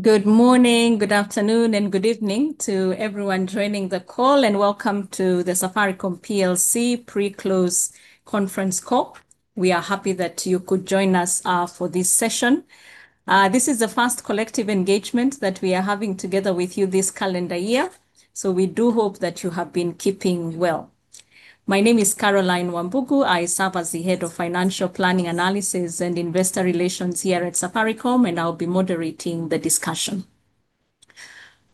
Good morning, good afternoon, and good evening to everyone joining the call. Welcome to the Safaricom PLC pre-close conference call. We are happy that you could join us for this session. This is the first collective engagement that we are having together with you this calendar year, we do hope that you have been keeping well. My name is Caroline Wambugu. I serve as the Head of Financial Planning Analysis and Investor Relations here at Safaricom, and I'll be moderating the discussion.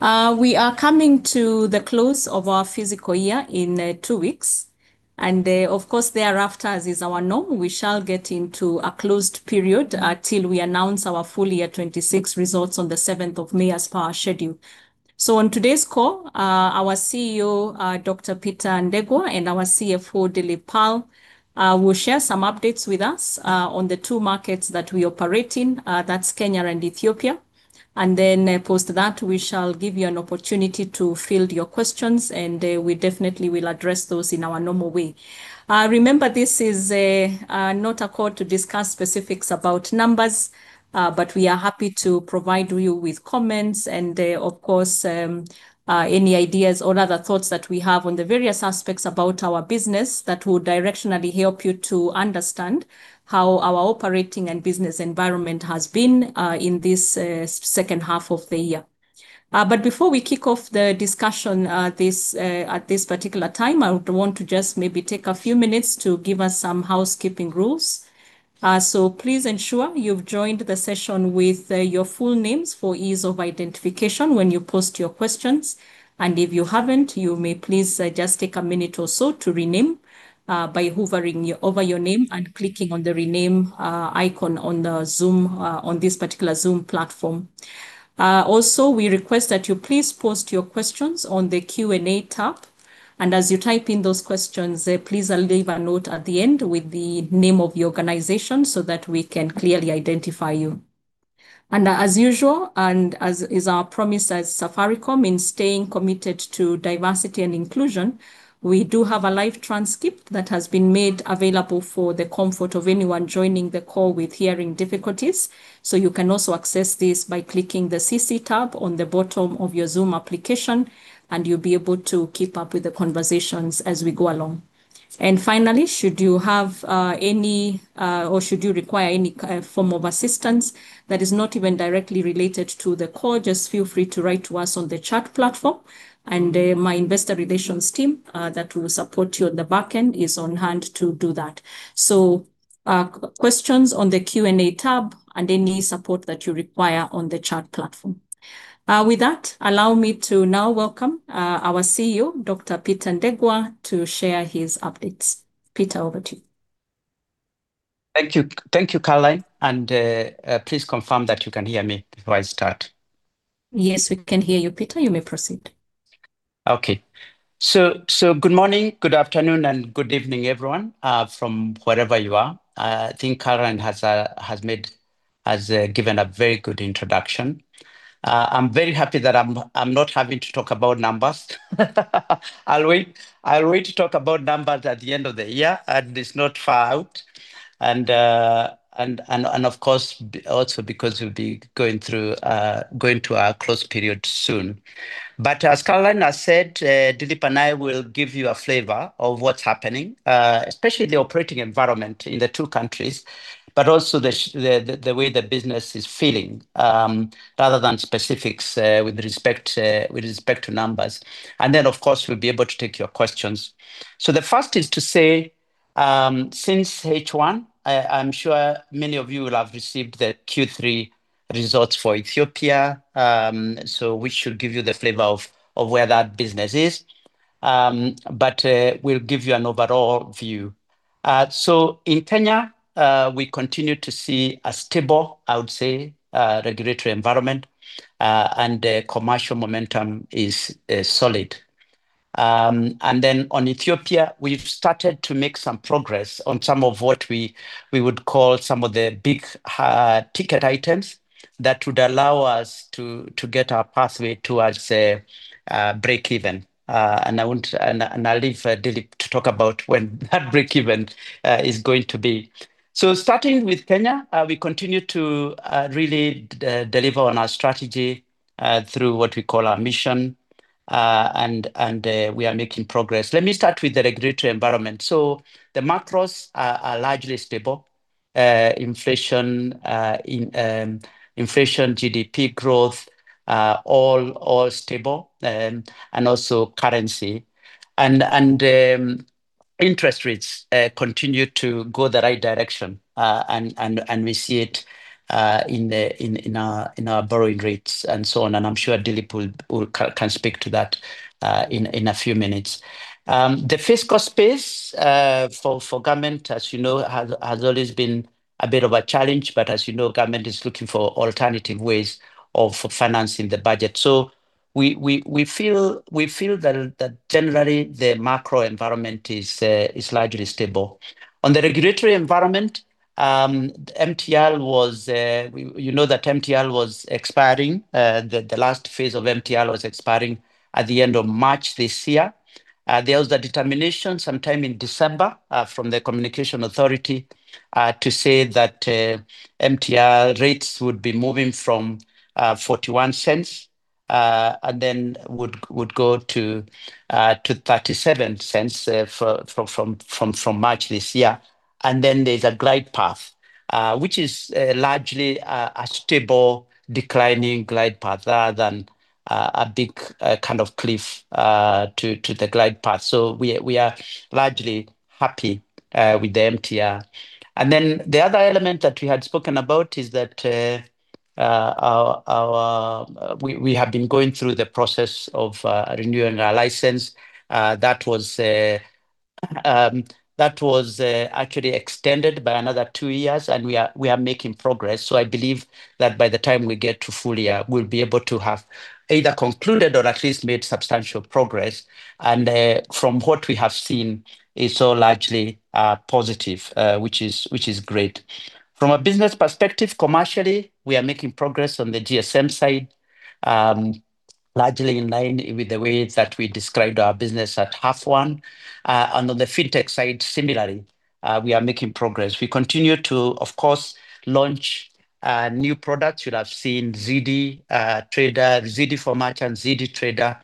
We are coming to the close of our fiscal year in two weeks, and of course thereafter, as is our norm, we shall get into a closed period till we announce our full year 2026 results on the 7 May as per our schedule. On today's call, our CEO, Dr. Peter Ndegwa, and our CFO, Dilip Pal, will share some updates with us, on the two markets that we operate in, that's Kenya and Ethiopia. Post that we shall give you an opportunity to field your questions, and, we definitely will address those in our normal way. Remember this is not a call to discuss specifics about numbers, but we are happy to provide you with comments and, of course, any ideas or other thoughts that we have on the various aspects about our business that will directionally help you to understand how our operating and business environment has been, in this second half of the year. Before we kick off the discussion, at this particular time, I would want to just maybe take a few minutes to give us some housekeeping rules. Please ensure you've joined the session with your full names for ease of identification when you post your questions. If you haven't, you may please just take a minute or so to rename by hovering over your name and clicking on the rename icon on this particular Zoom platform. Also, we request that you please post your questions on the Q&A tab, and as you type in those questions, please leave a note at the end with the name of your organization so that we can clearly identify you. As usual, as is our promise as Safaricom in staying committed to diversity and inclusion, we do have a live transcript that has been made available for the comfort of anyone joining the call with hearing difficulties. You can also access this by clicking the CC tab on the bottom of your Zoom application, and you'll be able to keep up with the conversations as we go along. Finally, should you have any, or should you require any form of assistance that is not even directly related to the call, just feel free to write to us on the chat platform. My investor relations team that will support you on the back end is on hand to do that. Questions on the Q&A tab and any support that you require on the chat platform. With that, allow me to now welcome our CEO, Dr. Peter Ndegwa, to share his updates. Peter, over to you. Thank you. Thank you, Caroline. Please confirm that you can hear me before I start. Yes, we can hear you, Peter. You may proceed. Okay. Good morning, good afternoon, and good evening, everyone, from wherever you are. I think Caroline has given a very good introduction. I'm very happy that I'm not having to talk about numbers. I'll wait to talk about numbers at the end of the year, and it's not far out. Of course, also because we'll be going to our close period soon. As Caroline has said, Dilip and I will give you a flavor of what's happening, especially the operating environment in the two countries, but also the way the business is feeling, rather than specifics with respect to numbers. Then, of course, we'll be able to take your questions. The first is to say, since H1, I'm sure many of you will have received the Q3 results for Ethiopia, which should give you the flavor of where that business is. We'll give you an overall view. In Kenya, we continue to see a stable, I would say, regulatory environment, and commercial momentum is solid. Then on Ethiopia, we've started to make some progress on some of what we would call some of the big ticket items that would allow us to get our pathway towards a breakeven. I'll leave for Dilip to talk about when that breakeven is going to be. Starting with Kenya, we continue to really deliver on our strategy through what we call our mission. We are making progress. Let me start with the regulatory environment. The macros are largely stable. Inflation, GDP growth, all stable. Also currency. Interest rates continue to go the right direction. We see it in our borrowing rates and so on. I'm sure Dilip will speak to that in a few minutes. The fiscal space for government, as you know, has always been a bit of a challenge, but as you know, government is looking for alternative ways of financing the budget. We feel that generally the macro environment is largely stable. On the regulatory environment, MTR was expiring. You know that MTR was expiring. The last phase of MTR was expiring at the end of March this year. There was a determination sometime in December from the Communications Authority to say that MTR rates would be moving from 0.41 and then would go to 0.37 from March this year. Then there's a glide path which is largely a stable declining glide path rather than a big kind of cliff to the glide path. We are largely happy with the MTR. The other element that we had spoken about is that we have been going through the process of renewing our license. That was actually extended by another two years, and we are making progress. I believe that by the time we get to full year, we'll be able to have either concluded or at least made substantial progress. From what we have seen is all largely positive, which is great. From a business perspective, commercially, we are making progress on the GSM side, largely in line with the ways that we described our business at H1. And on the Fintech side, similarly, we are making progress. We continue to, of course, launch new products. You'll have seen Ziidi Trader, Ziidi for Merchant, Ziidi Trader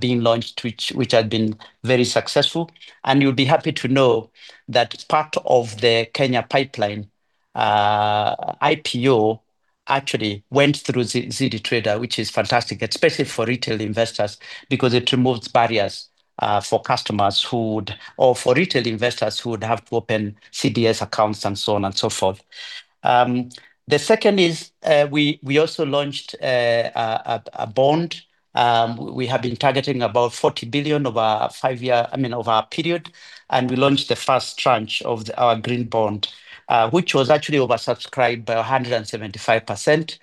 being launched, which has been very successful. You'll be happy to know that part of the Kenya Pipeline IPO actually went through Ziidi Trader, which is fantastic, especially for retail investors, because it removes barriers for retail investors who would have to open CDS accounts and so on and so forth. The second is we also launched a bond. We have been targeting about 40 billion over a five-year, I mean, over a period. We launched the first tranche of our Green Bond, which was actually oversubscribed by 175%.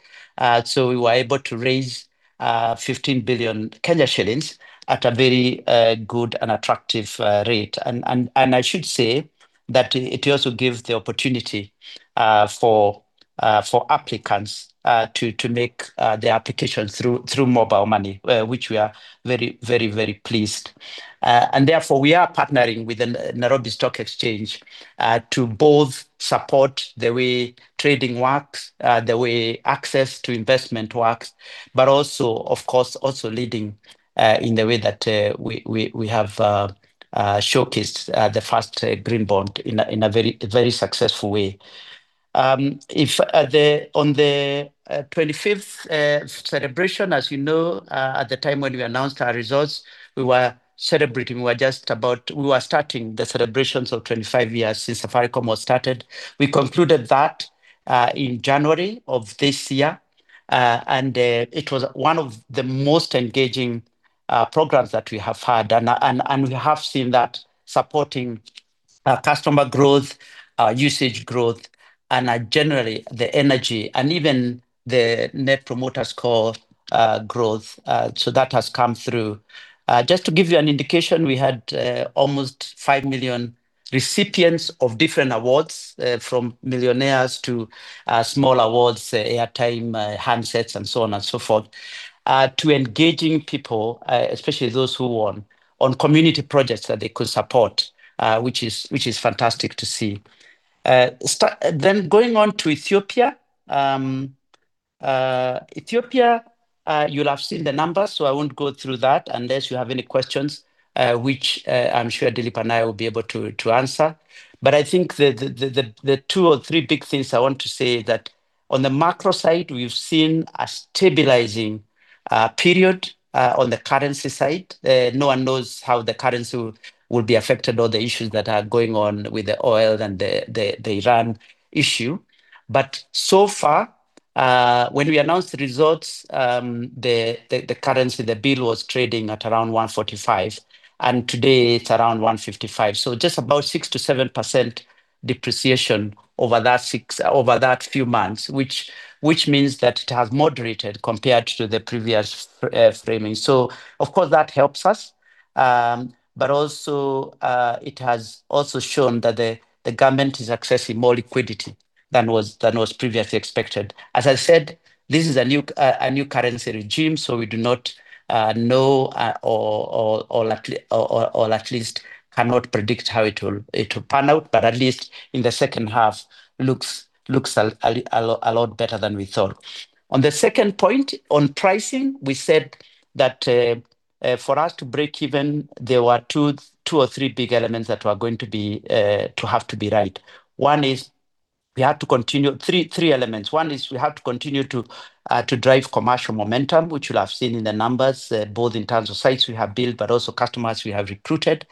So we were able to raise 15 billion shillings at a very good and attractive rate. I should say that it also gives the opportunity for applicants to make the application through mobile money, which we are very pleased. We are partnering with the Nairobi Securities Exchange to both support the way trading works, the way access to investment works, but also, of course, leading in the way that we have showcased the first green bond in a very successful way. On the 25th celebration, as you know, at the time when we announced our results, we were celebrating. We were starting the celebrations of 25 years since Safaricom was started. We concluded that in January of this year. It was one of the most engaging programs that we have had. We have seen that supporting customer growth, usage growth and generally the energy and even the net promoter score growth. That has come through. Just to give you an indication, we had almost 5 million recipients of different awards, from millionaires to small awards, airtime, handsets and so on and so forth, to engaging people, especially those who won on community projects that they could support, which is fantastic to see. Going on to Ethiopia. Ethiopia, you'll have seen the numbers, so I won't go through that unless you have any questions, which I'm sure Dilip and I will be able to answer. I think the two or three big things I want to say that on the macro side, we've seen a stabilizing period on the currency side. No one knows how the currency will be affected or the issues that are going on with the oil and the Iran issue. So far, when we announced the results, the currency, the birr was trading at around 145, and today it's around 155. So just about 6%-7% depreciation over that few months, which means that it has moderated compared to the previous framing. So of course, that helps us. Also, it has also shown that the government is accessing more liquidity than was previously expected. As I said, this is a new currency regime, so we do not know or at least cannot predict how it will pan out, but at least in the second half looks a lot better than we thought. On the second point on pricing, we said that for us to break even, there were two or three big elements that were going to have to be right. One is we had to continue. Three elements. One is we have to continue to drive commercial momentum, which you'll have seen in the numbers, both in terms of sites we have built, but also customers we have recruited.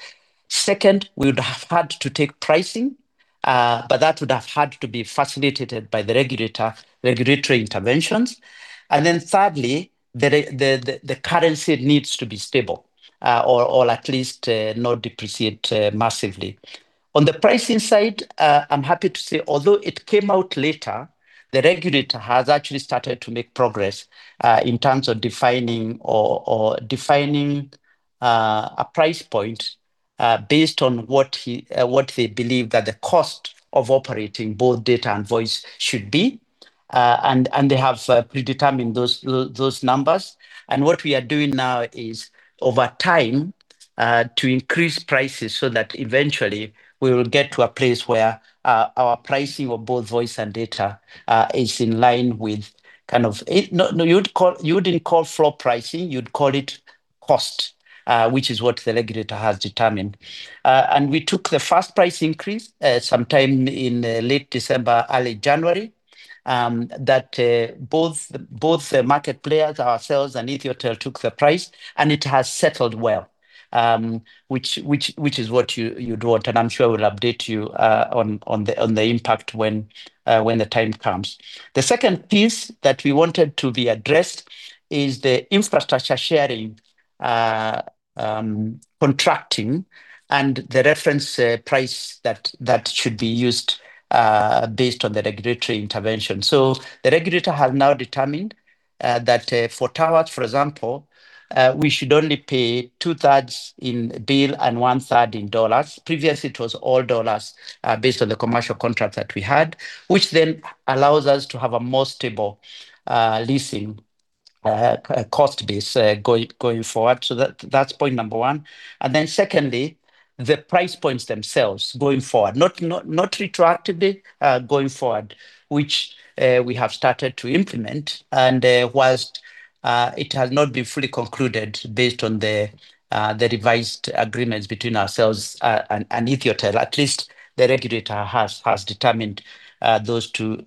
Second, we would have had to take pricing, but that would have had to be facilitated by the regulator, regulatory interventions. Thirdly, the currency needs to be stable, or at least, not depreciate massively. On the pricing side, I'm happy to say, although it came out later, the regulator has actually started to make progress in terms of defining a price point based on what they believe that the cost of operating both data and voice should be. They have predetermined those numbers. What we are doing now is over time to increase prices so that eventually we will get to a place where our pricing of both voice and data is in line with kind of. No, you'd call it cost, which is what the regulator has determined. We took the first price increase sometime in late December, early January, that both the market players, ourselves and Ethio telecom took the price, and it has settled well, which is what you'd want. I'm sure we'll update you on the impact when the time comes. The second piece that we wanted to be addressed is the infrastructure sharing contracting and the reference price that should be used based on the regulatory intervention. The regulator has now determined that for towers, for example, we should only pay two-thirds in birr and one-third in dollars. Previously, it was all dollars based on the commercial contract that we had, which then allows us to have a more stable leasing cost base going forward. That's point number one. Then secondly, the price points themselves going forward. Not retroactively going forward, which we have started to implement. While it has not been fully concluded based on the revised agreements between ourselves and Ethio telecom, at least the regulator has determined those two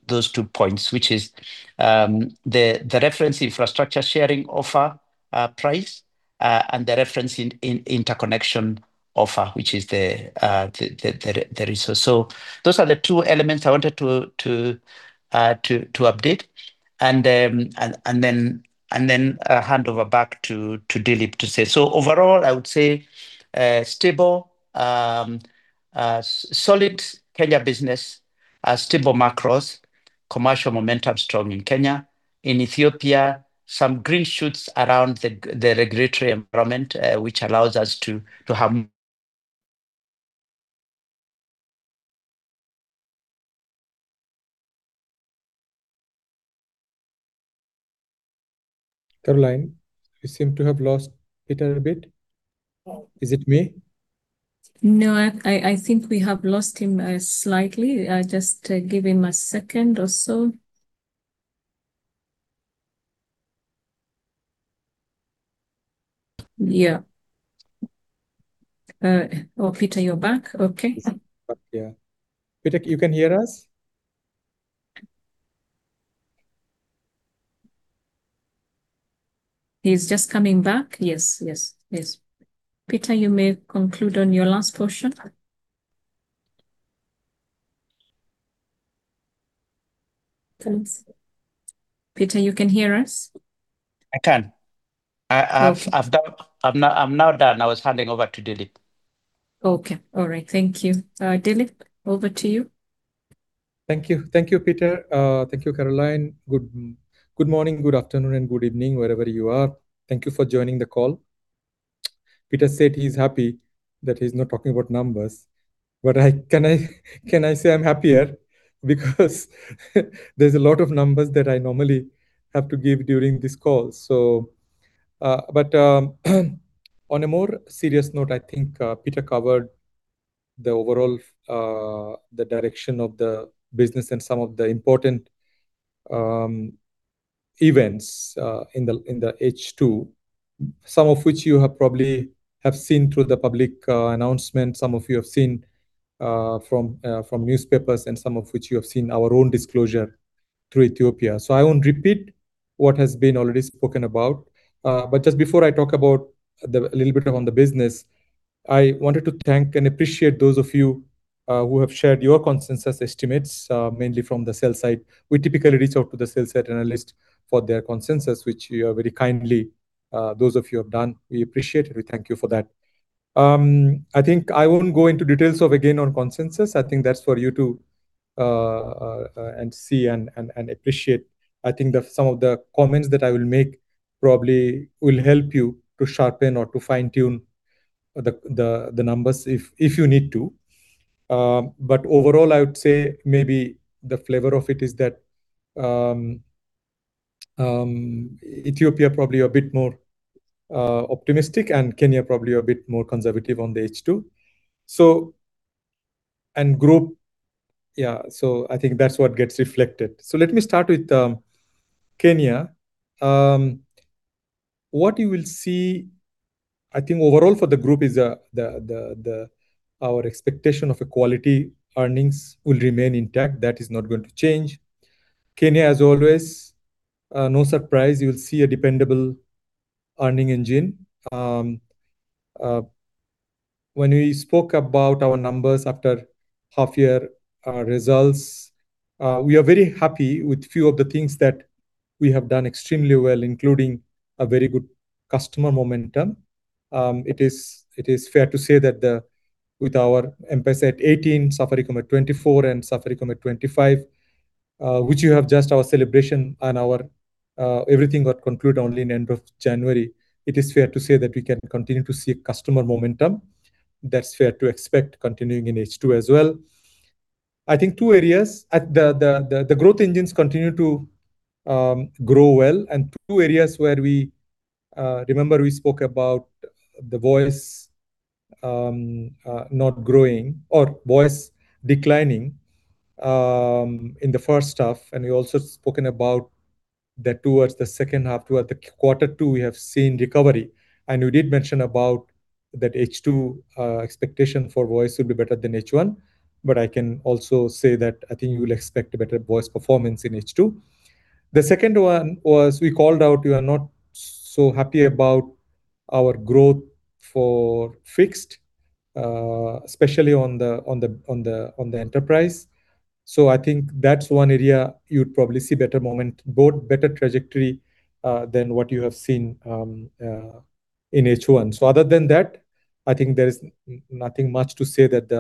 points. Which is the Reference Infrastructure Sharing Offer price and the Reference Interconnection Offer, which is the RIO. Those are the two elements I wanted to update and then hand over back to Dilip to say. Overall, I would say stable solid Kenya business, stable macros, commercial momentum strong in Kenya. In Ethiopia, some green shoots around the regulatory environment which allows us to have more Caroline, we seem to have lost Peter a bit. Is it me? No, I think we have lost him slightly. Just give him a second or so. Yeah. Oh, Peter, you're back. Okay. Yeah. Peter, you can hear us? He's just coming back. Yes, yes. Peter, you may conclude on your last portion. Peter, you can hear us? I can. Okay. I've done. I'm now done. I was handing over to Dilip. Okay. All right. Thank you. Dilip, over to you. Thank you. Thank you, Peter. Thank you, Caroline. Good morning, good afternoon, and good evening, wherever you are. Thank you for joining the call. Peter said he's happy that he's not talking about numbers, but can I say I'm happier? Because there's a lot of numbers that I normally have to give during these calls. But on a more serious note, I think Peter covered the overall direction of the business and some of the important events in the H2. Some of which you have probably seen through the public announcement, some of you have seen from newspapers, and some of which you have seen our own disclosure through Ethiopia. I won't repeat what has been already spoken about. Just before I talk about a little bit on the business, I wanted to thank and appreciate those of you who have shared your consensus estimates, mainly from the sell side. We typically reach out to the sell side analyst for their consensus, which you have very kindly, those of you have done. We appreciate it. We thank you for that. I think I won't go into details of, again, on consensus. I think that's for you to see and appreciate. I think some of the comments that I will make probably will help you to sharpen or to fine-tune the numbers if you need to. Overall, I would say maybe the flavor of it is that Ethiopia probably a bit more optimistic, and Kenya probably a bit more conservative on the H2. Yeah, I think that's what gets reflected. Let me start with Kenya. What you will see, I think overall for the group is our expectation of high-quality earnings will remain intact. That is not going to change. Kenya, as always, no surprise, you'll see a dependable earnings engine. When we spoke about our numbers after half-year results, we are very happy with a few of the things that we have done extremely well, including a very good customer momentum. It is fair to say that with our M-PESA at 18, Safaricom at 24, and Safaricom at 25, which you have just our celebration and our everything got concluded only in end of January. It is fair to say that we can continue to see customer momentum. That's fair to expect continuing in H2 as well. I think two areas. The growth engines continue to grow well and two areas where we remember we spoke about the voice not growing or voice declining in the first half. We also spoken about that towards the second half, toward the quarter two, we have seen recovery. You did mention about that H2 expectation for voice will be better than H1. I can also say that I think you will expect a better voice performance in H2. The second one was we called out we are not so happy about our growth for fixed, especially on the enterprise. I think that's one area you'd probably see better trajectory than what you have seen in H1. Other than that, I think there is nothing much to say that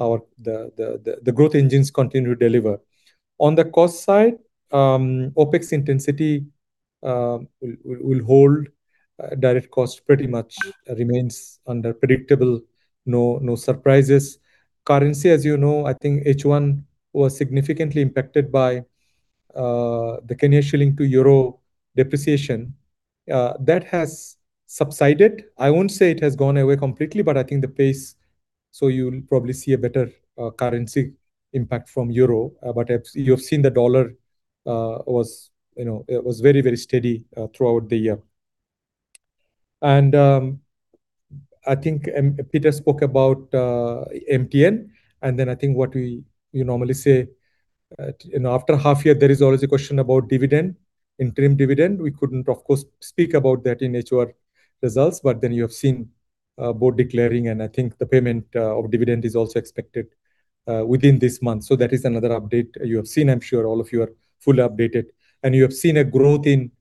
our growth engines continue to deliver. On the cost side, OpEx intensity will hold. Direct cost pretty much remains predictable, no surprises. Currency, as you know, I think H1 was significantly impacted by the Kenyan shilling to euro depreciation. That has subsided. I won't say it has gone away completely, but I think the pace, so you'll probably see a better currency impact from euro. But you have seen the dollar, you know, it was very, very steady throughout the year. I think Peter spoke about MTN, and then I think what we normally say, you know, after half year, there is always a question about dividend, interim dividend. We couldn't, of course, speak about that in H1 results, but then you have seen board declaring, and I think the payment of dividend is also expected within this month. That is another update you have seen. I'm sure all of you are fully updated. You have seen a growth in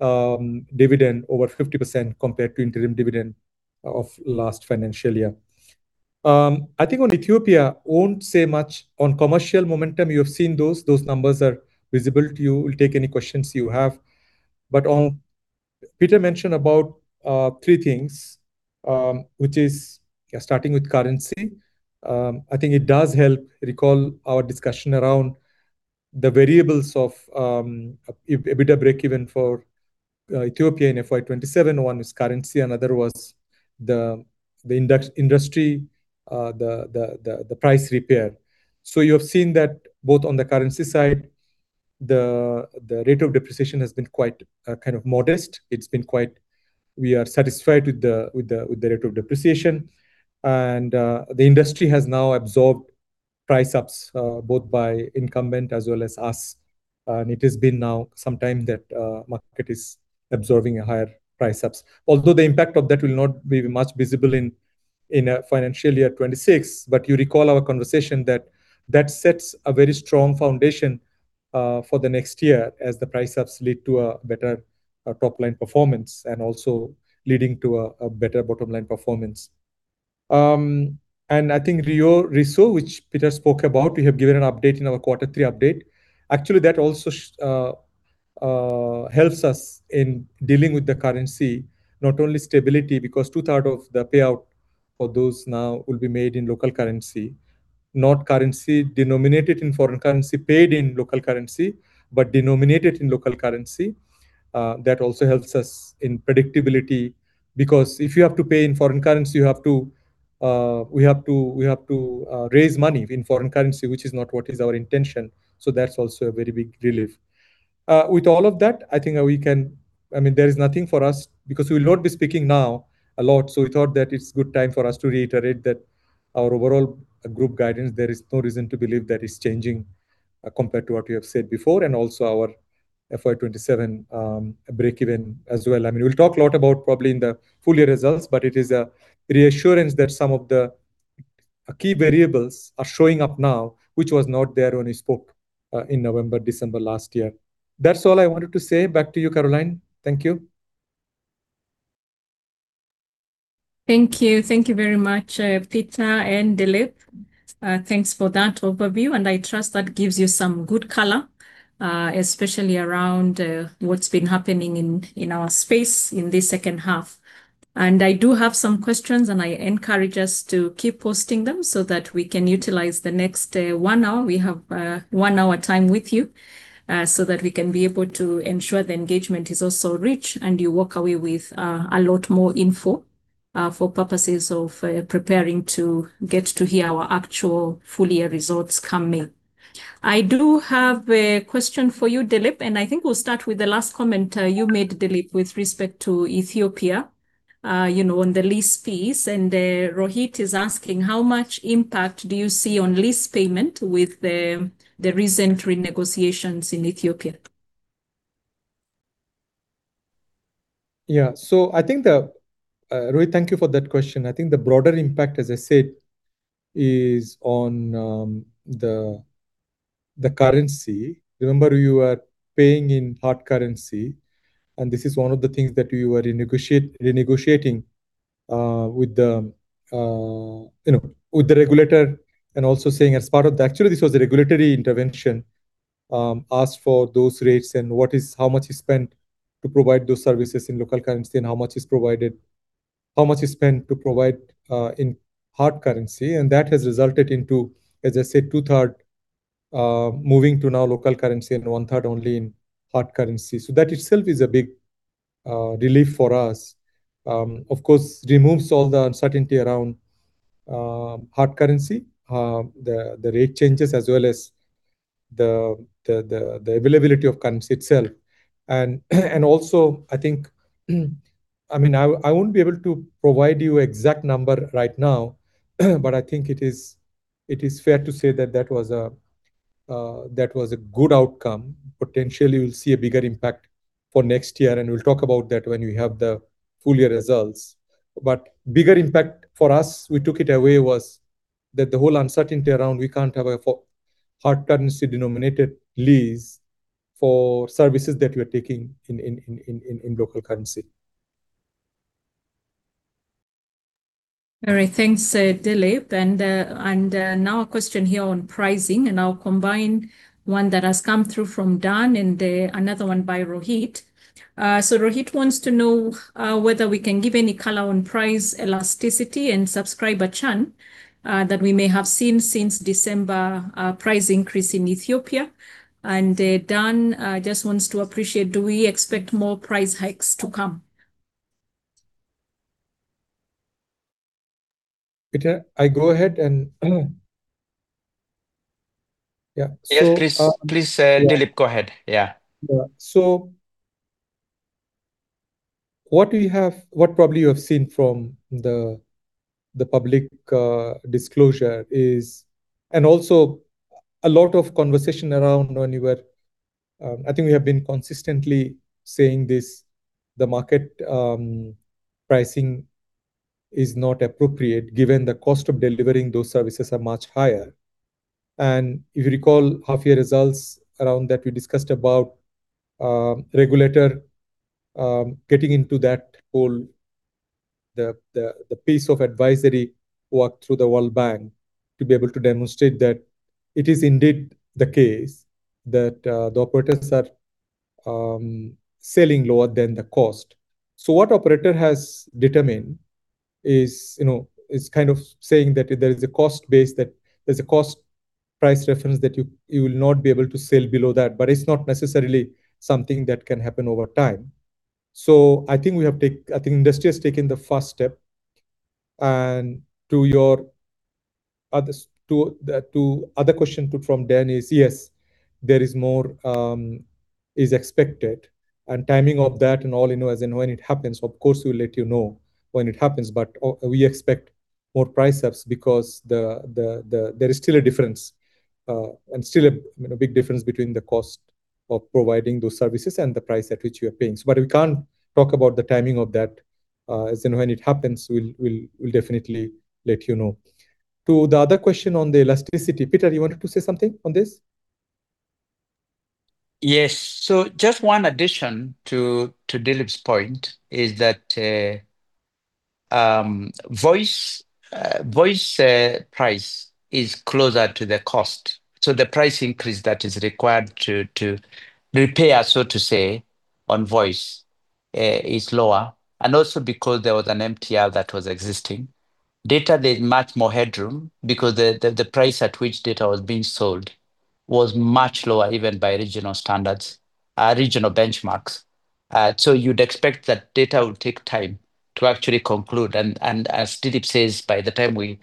dividend over 50% compared to interim dividend of last financial year. I think on Ethiopia, I won't say much. On commercial momentum, you have seen those. Those numbers are visible to you. We'll take any questions you have. Peter mentioned about three things which is starting with currency. I think it does help recall our discussion around the variables of a bit of breakeven for Ethiopia in FY 2027. One was currency, another was the industry, the pricing pressure. You have seen that both on the currency side, the rate of depreciation has been quite kind of modest. We are satisfied with the rate of depreciation. The industry has now absorbed price hikes both by incumbent as well as us. It has been some time that the market is absorbing higher price ups. Although the impact of that will not be much visible in FY 2026. You recall our conversation that sets a very strong foundation for the next year as the price ups lead to a better top line performance and also leading to a better bottom line performance. I think RISO, which Peter spoke about, we have given an update in our Q3 update. Actually, that also helps us in dealing with the currency, not only stability, because two-thirds of the payout for those now will be made in local currency. Not currency denominated in foreign currency, paid in local currency, but denominated in local currency. That also helps us in predictability, because if you have to pay in foreign currency, we have to raise money in foreign currency, which is not what is our intention. That's also a very big relief. With all of that, I think we can. I mean, there is nothing for us because we will not be speaking now a lot, so we thought that it's good time for us to reiterate that our overall group guidance, there is no reason to believe that it's changing, compared to what we have said before, and also our FY 2027 breakeven as well. I mean, we'll talk a lot about probably in the full year results, but it is a reassurance that some of the key variables are showing up now, which was not there when we spoke, in November, December last year. That's all I wanted to say. Back to you, Caroline. Thank you. Thank you. Thank you very much, Peter and Dilip. Thanks for that overview. I trust that gives you some good color, especially around, what's been happening in our space in this second half. I do have some questions, and I encourage us to keep posting them so that we can utilize the next, one hour. We have, one hour time with you, so that we can be able to ensure the engagement is also rich and you walk away with, a lot more info, for purposes of, preparing to get to hear our actual full year results coming. I do have a question for you, Dilip, and I think we'll start with the last comment, you made, Dilip, with respect to Ethiopia, you know, on the lease fees. Rohit is asking: How much impact do you see on lease payment with the recent renegotiations in Ethiopia? Yeah. I think the broader impact, as I said, is on the currency. Remember, you are paying in hard currency, and this is one of the things that we were renegotiating, you know, with the regulator and also saying as part of the. Actually, this was a regulatory intervention. Asked for those rates and how much is spent to provide those services in local currency and how much you spend to provide in hard currency. That has resulted into, as I said, 2/3 moving to local currency now and 1/3 only in hard currency. That itself is a big relief for us. Of course, removes all the uncertainty around hard currency. The rate changes as well as the availability of currency itself. Also I think, I mean, I won't be able to provide you exact number right now, but I think it is fair to say that was a good outcome. Potentially we'll see a bigger impact for next year, and we'll talk about that when we have the full year results. Bigger impact for us, what we took away was that the whole uncertainty around we can't have a hard currency denominated lease for services that we're taking in local currency. All right. Thanks, Dilip. Now a question here on pricing, and I'll combine one that has come through from Dan and another one by Rohit. Rohit wants to know whether we can give any color on price elasticity and subscriber churn that we may have seen since December price increase in Ethiopia. Dan just wants to know, do we expect more price hikes to come? Peter, I go ahead and yeah. Yes. So, uh- Please, Dilip, go ahead. Yeah. What probably you have seen from the public disclosure is. Also a lot of conversation around when you were. I think we have been consistently saying this, the market pricing is not appropriate given the cost of delivering those services are much higher. If you recall half year results around that, we discussed about regulator getting into that whole the piece of advisory work through the World Bank to be able to demonstrate that it is indeed the case that the operators are selling lower than the cost. What operator has determined is, you know, is kind of saying that there is a cost base, that there's a cost price reference that you will not be able to sell below that, but it's not necessarily something that can happen over time. I think industry has taken the first step. To the other question from Dan, yes, there is more expected and timing of that and all, you know, as in when it happens, of course, we'll let you know when it happens. We expect more price ups because there is still a difference and still a, you know, big difference between the cost of providing those services and the price at which we are charging. But we can't talk about the timing of that. As and when it happens, we'll definitely let you know. To the other question on the elasticity. Peter, you wanted to say something on this? Yes. Just one addition to Dilip's point is that voice price is closer to the cost. The price increase that is required to repair, so to say, on voice is lower. Also because there was an MTR that was existing. Data, there's much more headroom because the price at which data was being sold was much lower, even by regional standards, regional benchmarks. You'd expect that data will take time to actually conclude. As Dilip says, by the time we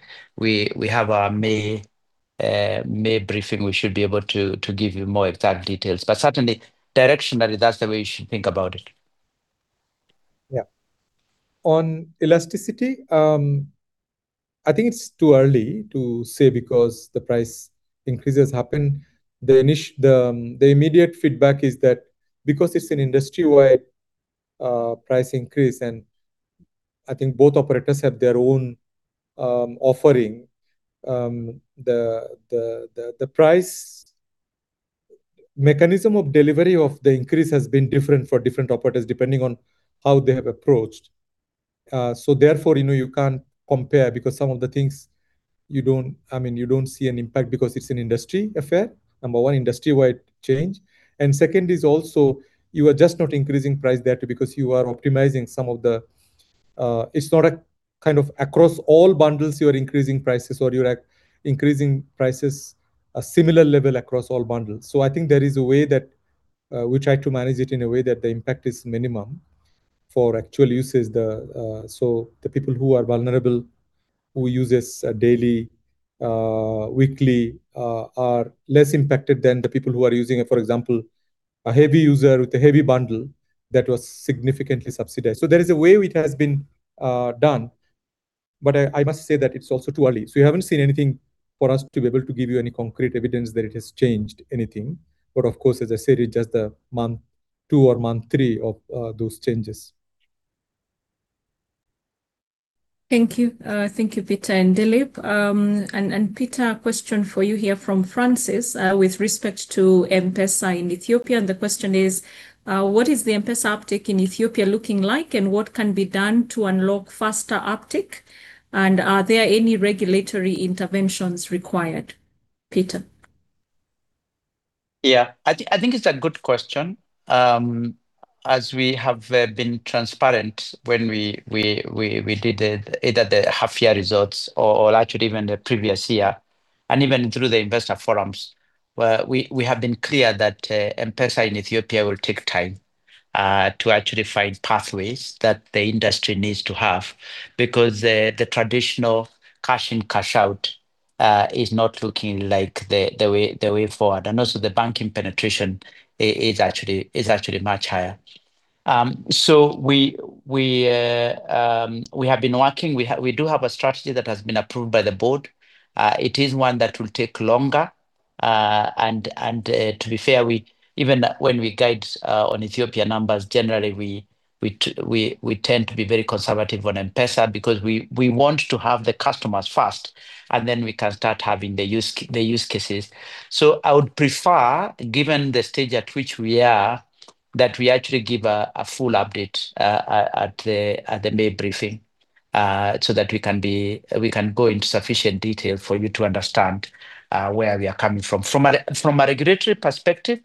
have our May briefing, we should be able to give you more exact details. Certainly directionally, that's the way you should think about it. Yeah. On elasticity, I think it's too early to say because the price increases happen. The immediate feedback is that because it's an industry-wide price increase, and I think both operators have their own offering, the price mechanism of delivery of the increase has been different for different operators depending on how they have approached. So therefore, you know, you can't compare because some of the things you don't, I mean, you don't see an impact because it's an industry affair. Number one, industry-wide change. Second is also you are just not increasing price there too because you are optimizing some of the. It's not a kind of across all bundles you are increasing prices or you are increasing prices a similar level across all bundles. I think there is a way that we try to manage it in a way that the impact is minimum for actual users. The people who are vulnerable, who use this daily, weekly, are less impacted than the people who are using it. For example, a heavy user with a heavy bundle that was significantly subsidized. There is a way which has been done, but I must say that it's also too early. We haven't seen anything for us to be able to give you any concrete evidence that it has changed anything. Of course, as I said, it's just a month 2 or month 3 of those changes. Thank you. Thank you, Peter and Dilip. Peter, question for you here from Francis with respect to M-PESA in Ethiopia. The question is: What is the M-PESA uptick in Ethiopia looking like, and what can be done to unlock faster uptick? Are there any regulatory interventions required? Peter? Yeah, I think it's a good question. As we have been transparent when we did either the half year results or actually even the previous year and even through the investor forums, where we have been clear that M-PESA in Ethiopia will take time to actually find pathways that the industry needs to have because the traditional cash in, cash out is not looking like the way forward. The banking penetration is actually much higher. We have been working. We do have a strategy that has been approved by the board. It is one that will take longer. To be fair, we... Even when we guide on Ethiopia numbers, generally, we tend to be very conservative on M-PESA because we want to have the customers first, and then we can start having the use cases. I would prefer, given the stage at which we are, that we actually give a full update at the May briefing so that we can go into sufficient detail for you to understand where we are coming from. From a regulatory perspective,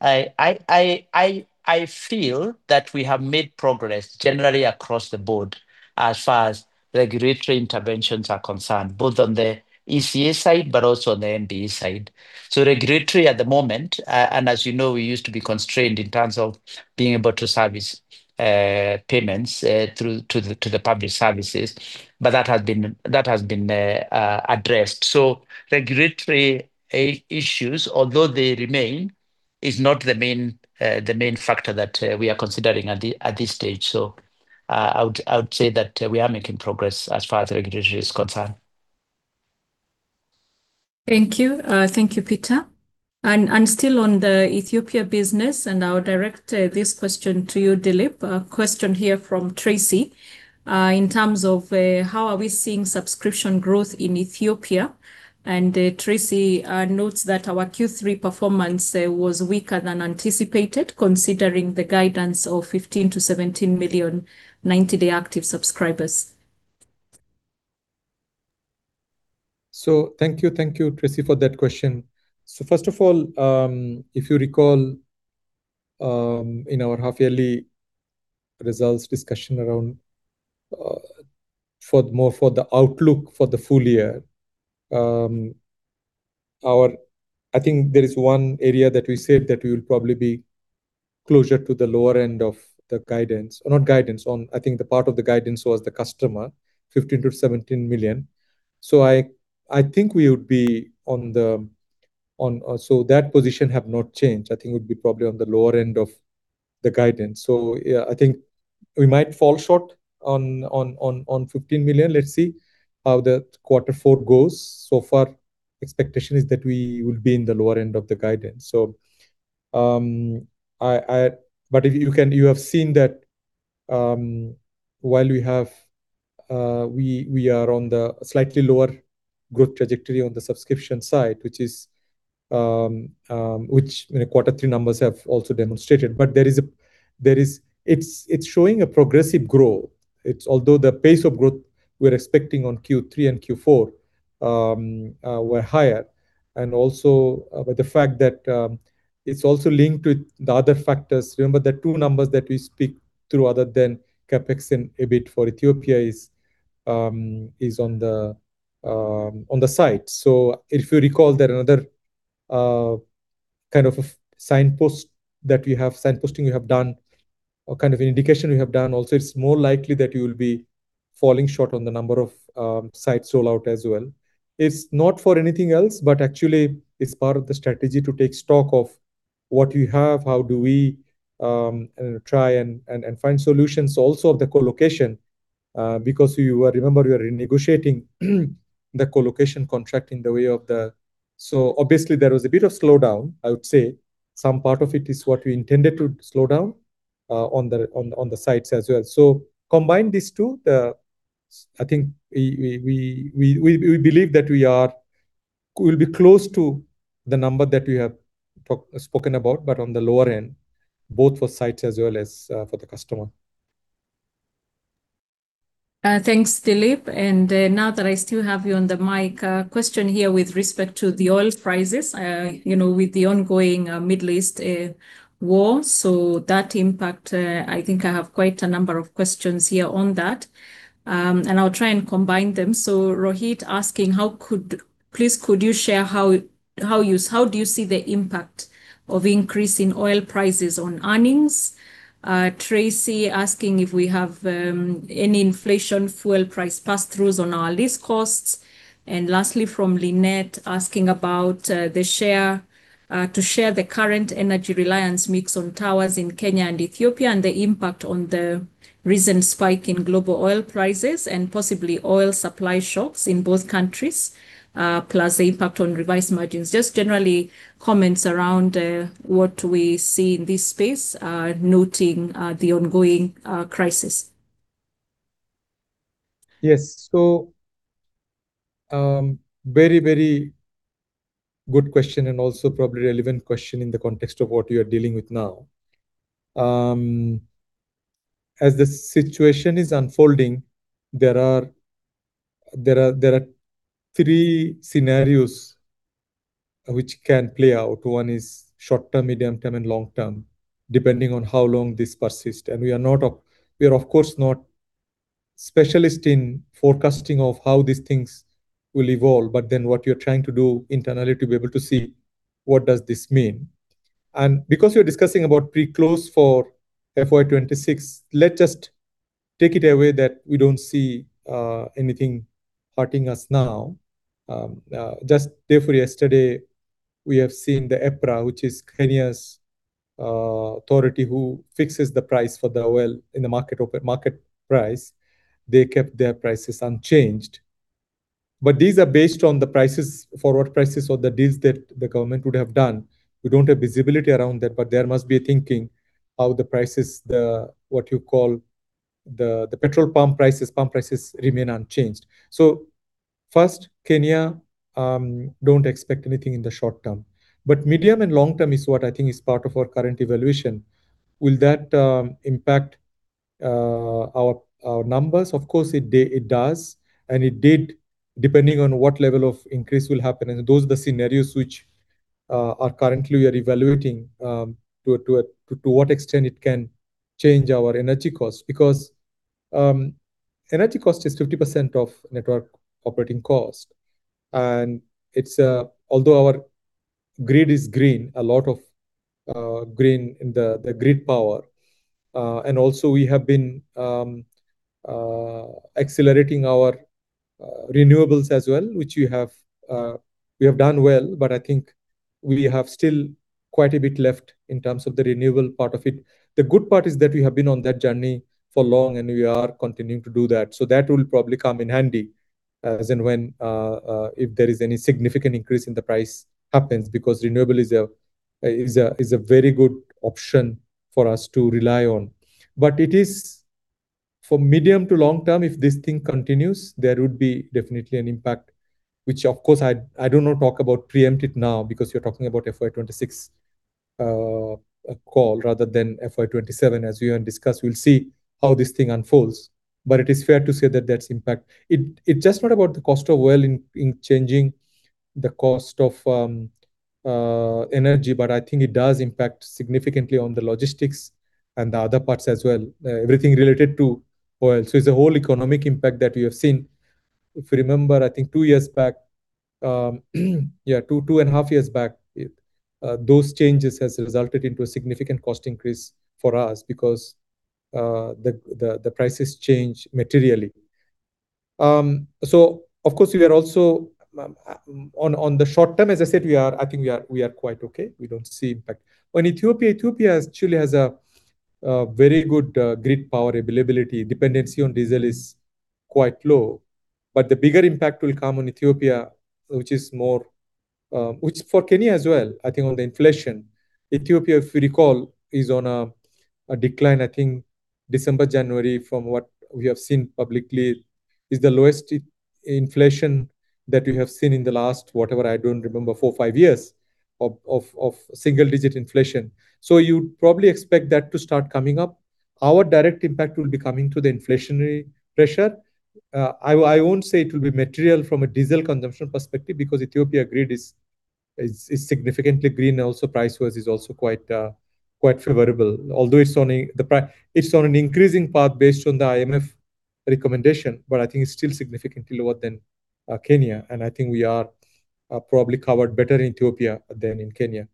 I feel that we have made progress generally across the board as far as regulatory interventions are concerned, both on the ECA side but also on the NBE side. Regulatory at the moment, and as you know, we used to be constrained in terms of being able to service payments through to the public services, but that has been addressed. Regulatory issues, although they remain, is not the main factor that we are considering at this stage. I would say that we are making progress as far as the regulatory is concerned. Thank you. Thank you, Peter. I'm still on the Ethiopia business, and I will direct this question to you, Dilip. A question here from Tracy, in terms of how are we seeing subscription growth in Ethiopia? Tracy notes that our Q3 performance was weaker than anticipated, considering the guidance of 15-17 million 90-day active subscribers. Thank you. Thank you, Tracy, for that question. First of all, if you recall, in our half-yearly results discussion around the outlook for the full year, I think there is one area that we said that we will probably be closer to the lower end of the guidance. Not guidance. I think the part of the guidance was the customer 15-17 million. I think we would be on the lower end of the guidance. That position has not changed. I think it would be probably on the lower end of the guidance. Yeah, I think we might fall short on fifteen million. Let's see how the quarter four goes. Far, expectation is that we will be in the lower end of the guidance. You have seen that, while we are on the slightly lower growth trajectory on the subscription side, which, you know, quarter three numbers have also demonstrated. There is. It's showing a progressive growth, although the pace of growth we're expecting on Q3 and Q4 were higher, but the fact that, it's also linked with the other factors. Remember the two numbers that we speak to other than CapEx and EBIT for Ethiopia is on the slide. If you recall, there's another kind of a signpost that we have, signposting we have done or kind of an indication we have done also. It's more likely that you'll be falling short on the number of sites rollout as well. It's not for anything else, but actually it's part of the strategy to take stock of what you have. How do we, you know, try and find solutions also of the co-location, because remember you were renegotiating the co-location contract in the way of the. Obviously there was a bit of slowdown, I would say. Some part of it is what we intended to slow down on the sites as well. Combine these two. I think we believe that we'll be close to the number that we have spoken about, but on the lower end, both for sites as well as for the customer. Thanks, Dilip. Now that I still have you on the mic, a question here with respect to the oil prices. You know, with the ongoing Middle East war. That impact, I think I have quite a number of questions here on that. I'll try and combine them. Rohit asking: Please could you share how do you see the impact of increase in oil prices on earnings? Tracy asking if we have any inflation fuel price passthroughs on our lease costs. Lastly, from Lynette asking about to share the current energy reliance mix on towers in Kenya and Ethiopia and the impact on the recent spike in global oil prices and possibly oil supply shocks in both countries, plus the impact on revised margins. Just general comments around what we see in this space, noting the ongoing crisis. Yes. Very good question and also probably relevant question in the context of what we are dealing with now. As the situation is unfolding, there are three scenarios which can play out. One is short-term, medium-term, and long-term, depending on how long this persist. We are, of course, not specialist in forecasting of how these things will evolve, but then what you're trying to do internally to be able to see what does this mean. Because you're discussing about pre-close for FY 2026, let's just take it away that we don't see anything hurting us now. Just day before yesterday, we have seen the EPRA, which is Kenya's authority who fixes the price for the oil in the market price. They kept their prices unchanged. These are based on the prices, forward prices or the deals that the government would have done. We don't have visibility around that, but there must be thinking how the prices, what you call, the petrol pump prices remain unchanged. First, Kenya, don't expect anything in the short term. Medium and long term is what I think is part of our current evaluation. Will that impact our numbers? Of course, it does, and it did, depending on what level of increase will happen. Those are the scenarios which we are currently evaluating to what extent it can change our energy cost. Energy cost is 50% of network operating cost. It's although our grid is green, a lot of green in the grid power and also we have been accelerating our renewables as well, which we have done well, but I think we have still quite a bit left in terms of the renewable part of it. The good part is that we have been on that journey for long, and we are continuing to do that. That will probably come in handy as and when if there is any significant increase in the price happens, because renewable is a very good option for us to rely on. It is for medium to long term, if this thing continues, there would be definitely an impact, which of course I do not talk about preempt it now because you're talking about FY 2026 rather than FY 2027. As we have discussed, we'll see how this thing unfolds. It is fair to say that that's impact. It just not about the cost of oil changing the cost of energy, but I think it does impact significantly on the logistics and the other parts as well, everything related to oil. So it's a whole economic impact that we have seen. If you remember, I think 2 years back, 2 and a half years back, those changes has resulted into a significant cost increase for us because the prices change materially. Of course we are also on the short term, as I said, I think we are quite okay. We don't see impact. On Ethiopia actually has a very good grid power availability. Dependency on diesel is quite low. The bigger impact will come on Ethiopia, which is more, which for Kenya as well, I think on the inflation. Ethiopia, if you recall, is on a decline, I think December, January, from what we have seen publicly. It is the lowest inflation that we have seen in the last, whatever, I don't remember, 4, 5 years of single-digit inflation. You'd probably expect that to start coming up. Our direct impact will be coming through the inflationary pressure. I won't say it will be material from a diesel consumption perspective because Ethiopia grid is significantly green. Also price-wise is also quite favorable. Although it's on an increasing path based on the IMF recommendation, but I think it's still significantly lower than Kenya. I think we are probably covered better in Ethiopia than in Kenya.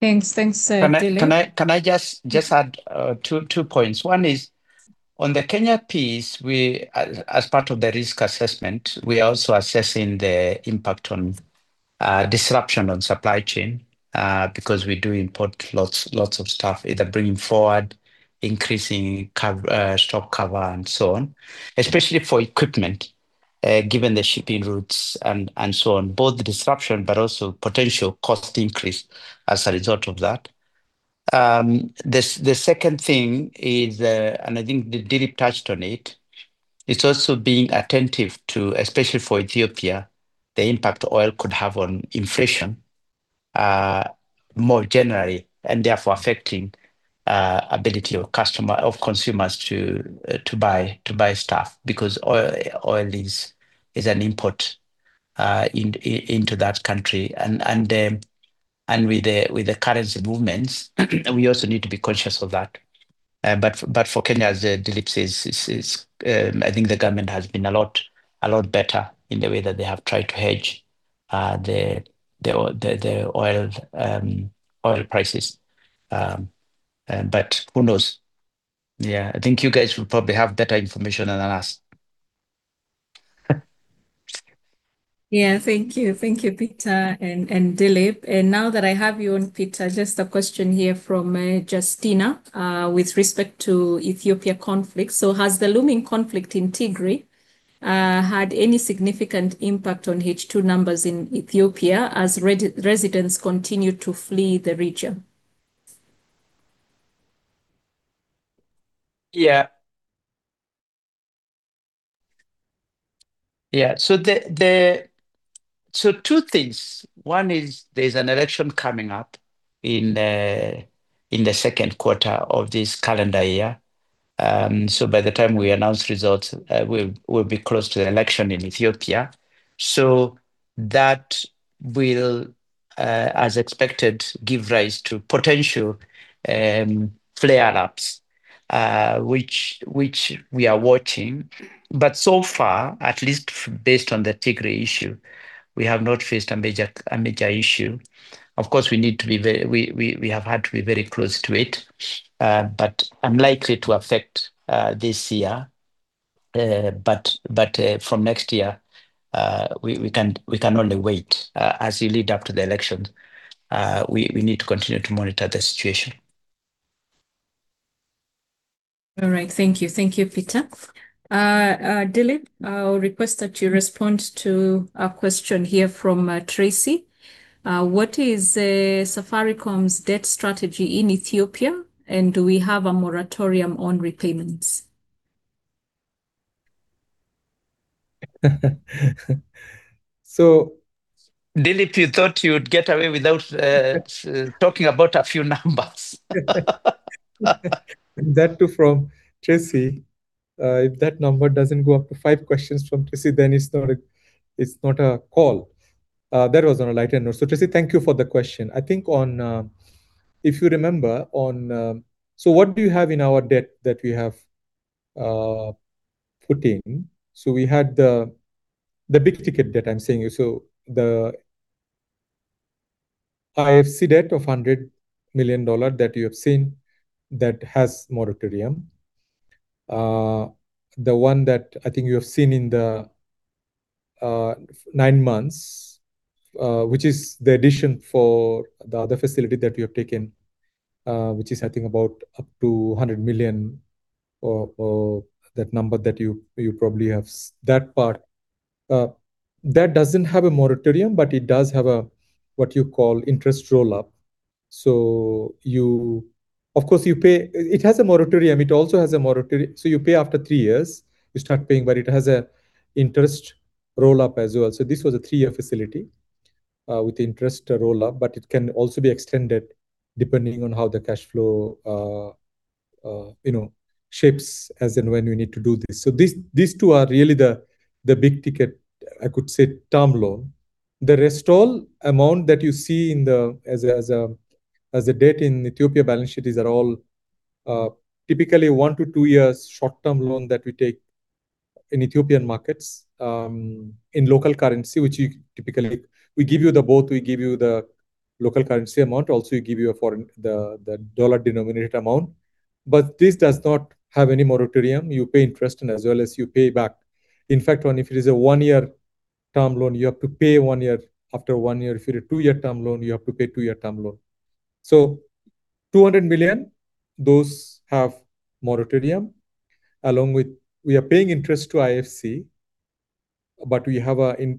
Thanks. Thanks, Dilip. Can I just add 2 points? One is on the Kenya piece. As part of the risk assessment, we are also assessing the impact of disruption on supply chain because we do import lots of stuff, either bringing forward, increasing stock cover and so on, especially for equipment, given the shipping routes and so on. Both the disruption, but also potential cost increase as a result of that. The second thing is, and I think Dilip touched on it's also being attentive to, especially for Ethiopia, the impact oil could have on inflation more generally, and therefore affecting ability of customers, of consumers to buy stuff. Because oil is an import into that country with the currency movements, we also need to be conscious of that. But for Kenya, as Dilip says, is, I think the government has been a lot better in the way that they have tried to hedge the oil prices. But who knows? Yeah. I think you guys will probably have better information than us. Yeah. Thank you. Thank you, Peter and Dilip. Now that I have you on, Peter, just a question here from Justina with respect to Ethiopia conflict. Has the looming conflict in Tigray had any significant impact on H2 numbers in Ethiopia as residents continue to flee the region? Two things. One is there's an election coming up in the second quarter of this calendar year. By the time we announce results, we'll be close to the election in Ethiopia. That will, as expected, give rise to potential flare-ups, which we are watching. So far, at least based on the Tigray issue, we have not faced a major issue. Of course, we have had to be very close to it. Unlikely to affect this year. From next year, we can only wait. As we lead up to the election, we need to continue to monitor the situation. All right. Thank you. Thank you, Peter. Dilip, I'll request that you respond to a question here from Tracy. What is Safaricom's debt strategy in Ethiopia? And do we have a moratorium on repayments? Dilip, you thought you'd get away without talking about a few numbers. That too from Tracy. If that number doesn't go up to five questions from Tracy, then it's not a call. That was on a lighter note. Tracy, thank you for the question. I think, if you remember on, what do you have in our debt that we have put in? We had the big ticket debt I'm saying. The IFC debt of $100 million that you have seen that has moratorium. The one that I think you have seen in the nine months, which is the addition for the other facility that we have taken, which is, I think about up to $100 million or that number that you probably have. That part that doesn't have a moratorium, but it does have a what you call interest roll-up. It has a moratorium. It also has a moratorium. You pay after three years, you start paying, but it has a interest roll-up as well. This was a three-year facility with interest roll-up, but it can also be extended depending on how the cash flow you know shapes as and when we need to do this. These two are really the big ticket, I could say, term loan. The rest all amount that you see as a debt in Ethiopia balance sheet are all typically one to two years short-term loan that we take in Ethiopian markets in local currency, which we typically give you the both. We give you the local currency amount. Also we give you the dollar denominated amount. But this does not have any moratorium. You pay interest and as well as you pay back. In fact, if it is a 1-year term loan, you have to pay one year after one year. If you're a 2-year term loan, you have to pay 2-year term loan. So 200 million, those have moratorium. Along with we are paying interest to IFC, but we have an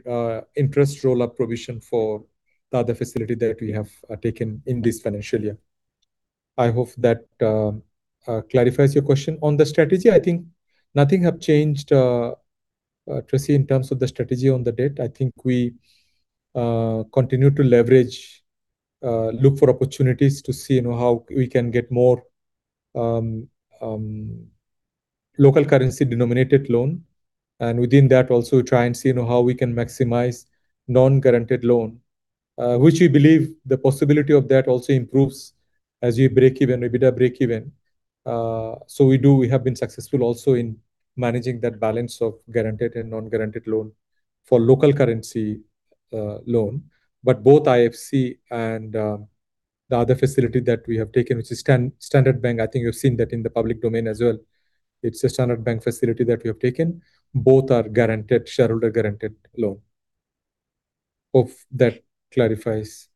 interest roll-up provision for the other facility that we have taken in this financial year. I hope that clarifies your question. On the strategy, I think nothing have changed, Tracy, in terms of the strategy on the debt. I think we continue to leverage look for opportunities to see, you know, how we can get more local currency denominated loan. Within that, also try and see, you know, how we can maximize non-guaranteed loan. Which we believe the possibility of that also improves as we break even, EBITDA break even. We do, we have been successful also in managing that balance of guaranteed and non-guaranteed loan for local currency loan. Both IFC and the other facility that we have taken, which is Standard Bank, I think you've seen that in the public domain as well. It's a Standard Bank facility that we have taken. Both are guaranteed, shareholder guaranteed loan. Hope that clarifies.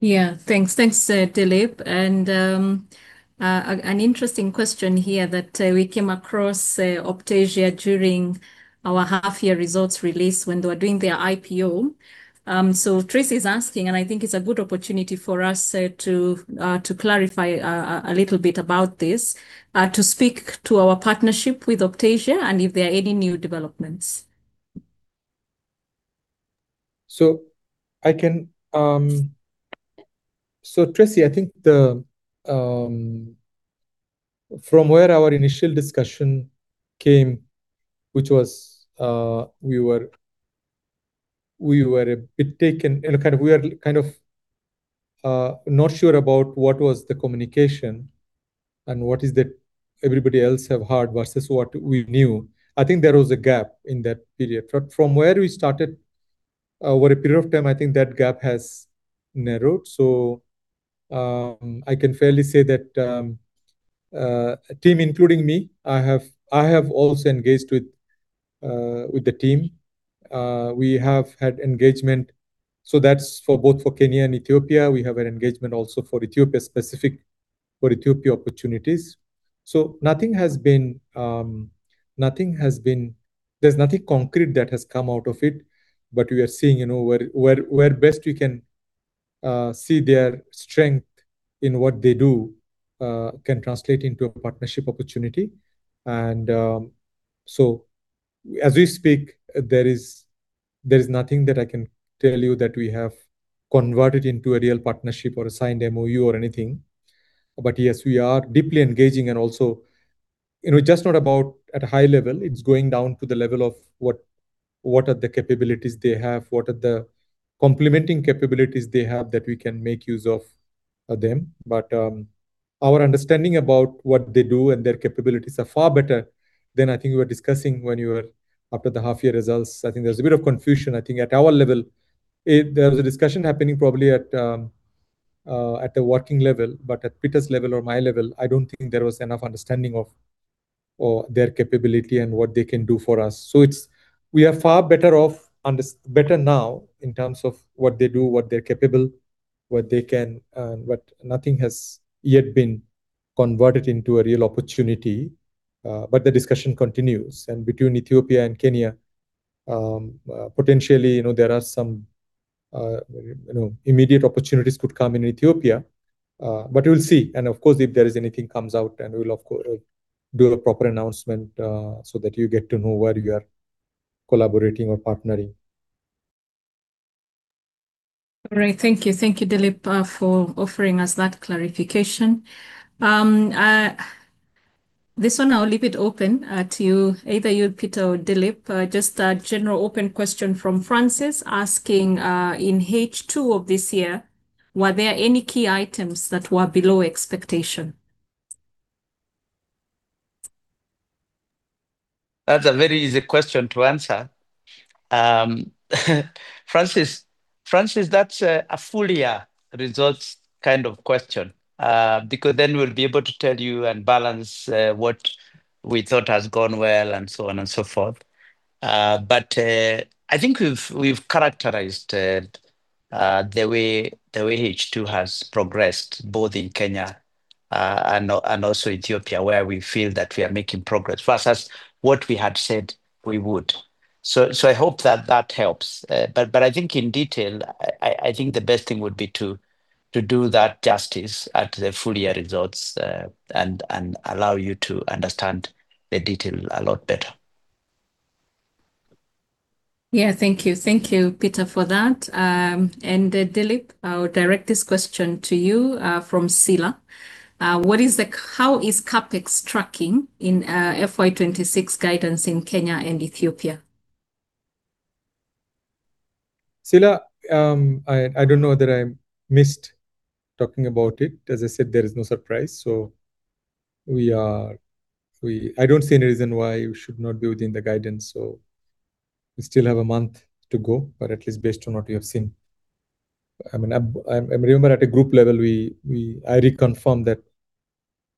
Yeah. Thanks. Thanks, Dilip. An interesting question here that we came across Optasia during our half year results release when they were doing their IPO. Tracy's asking, and I think it's a good opportunity for us to clarify a little bit about this. To speak to our partnership with Optasia and if there are any new developments. Tracy, I think the from where our initial discussion came, which was, we were a bit taken, you know, kind of we are kind of not sure about what was the communication and what is that everybody else have heard versus what we knew. I think there was a gap in that period. From where we started, over a period of time, I think that gap has narrowed. I can fairly say that team including me, I have also engaged with the team. We have had engagement. That's for both Kenya and Ethiopia. We have an engagement also for Ethiopia specific, for Ethiopia opportunities. Nothing has been. There's nothing concrete that has come out of it. We are seeing, you know, where best we can see their strength in what they do can translate into a partnership opportunity. As we speak, there is nothing that I can tell you that we have converted into a real partnership or a signed MOU or anything. Yes, we are deeply engaging and also, you know, just not about at a high level, it's going down to the level of what are the capabilities they have, what are the complementing capabilities they have that we can make use of them. Our understanding about what they do and their capabilities are far better than I think you were discussing after the half year results. I think there was a bit of confusion. I think at our level, there was a discussion happening probably at the working level. At Peter's level or my level, I don't think there was enough understanding of or their capability and what they can do for us. We are far better off. Better now in terms of what they do, what they're capable, what they can, but nothing has yet been converted into a real opportunity. The discussion continues. Between Ethiopia and Kenya, potentially, you know, there are some, you know, immediate opportunities could come in Ethiopia. We'll see. Of course, if there is anything comes out then we'll of course do a proper announcement, so that you get to know where you are collaborating or partnering. All right. Thank you. Thank you, Dilip, for offering us that clarification. This one I'll leave it open to you, either you, Peter or Dilip. Just a general open question from Francis asking, "In H2 of this year, were there any key items that were below expectation? That's a very easy question to answer. Francis, that's a full year results kind of question. Because then we'll be able to tell you and balance what we thought has gone well and so on and so forth. I think we've characterized the way H2 has progressed, both in Kenya and also Ethiopia, where we feel that we are making progress versus what we had said we would. I hope that that helps. I think in detail, I think the best thing would be to do that justice at the full year results and allow you to understand the detail a lot better. Yeah. Thank you. Thank you, Peter, for that. Dilip, I'll direct this question to you, from Sila. How is CapEx tracking in FY 2026 guidance in Kenya and Ethiopia? Sila, I don't know that I missed talking about it. As I said, there is no surprise. We are we I don't see any reason why we should not be within the guidance. We still have a month to go. At least based on what we have seen, I mean, I remember at a group level, we I reconfirm that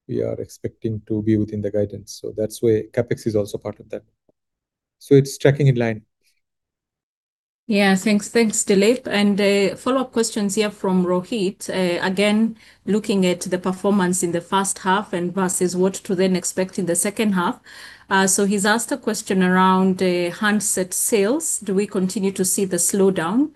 we are expecting to be within the guidance. That's why CapEx is also part of that. It's tracking in line. Yeah. Thanks. Thanks, Dilip. Follow-up questions here from Rohit. Again, looking at the performance in the first half and versus what to then expect in the second half. So he's asked a question around handset sales. Do we continue to see the slowdown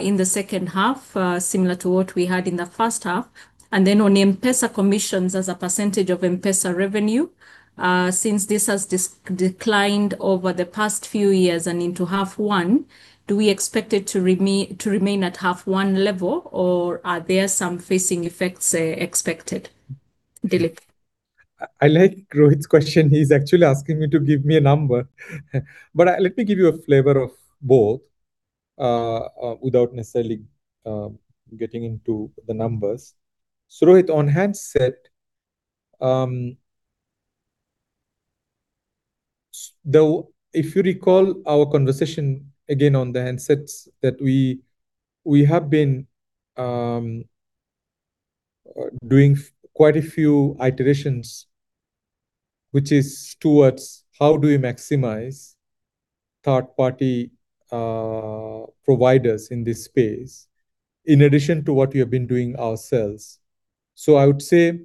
in the second half, similar to what we had in the first half? And then on M-PESA commissions as a percentage of M-PESA revenue, since this has declined over the past few years and into half one, do we expect it to remain at half one level, or are there some phasing effects expected? Dilip. I like Rohit's question. He's actually asking me to give a number. Let me give you a flavor of both, without necessarily getting into the numbers. Rohit, on handset, though if you recall our conversation again on the handsets that we have been doing quite a few iterations, which is towards how do we maximize third-party providers in this space in addition to what we have been doing ourselves. I would say,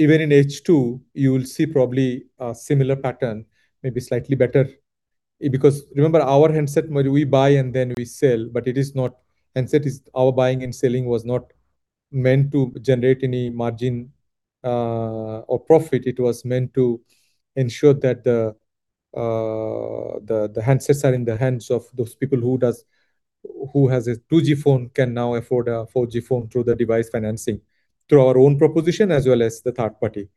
even in H2, you will see probably a similar pattern, maybe slightly better, because remember, our handset model, we buy and then we sell, but it is not, our buying and selling was not meant to generate any margin or profit. It was meant to ensure that the handsets are in the hands of those people who has a 2G phone can now afford a 4G phone through the device financing, through our own proposition as well as the third party.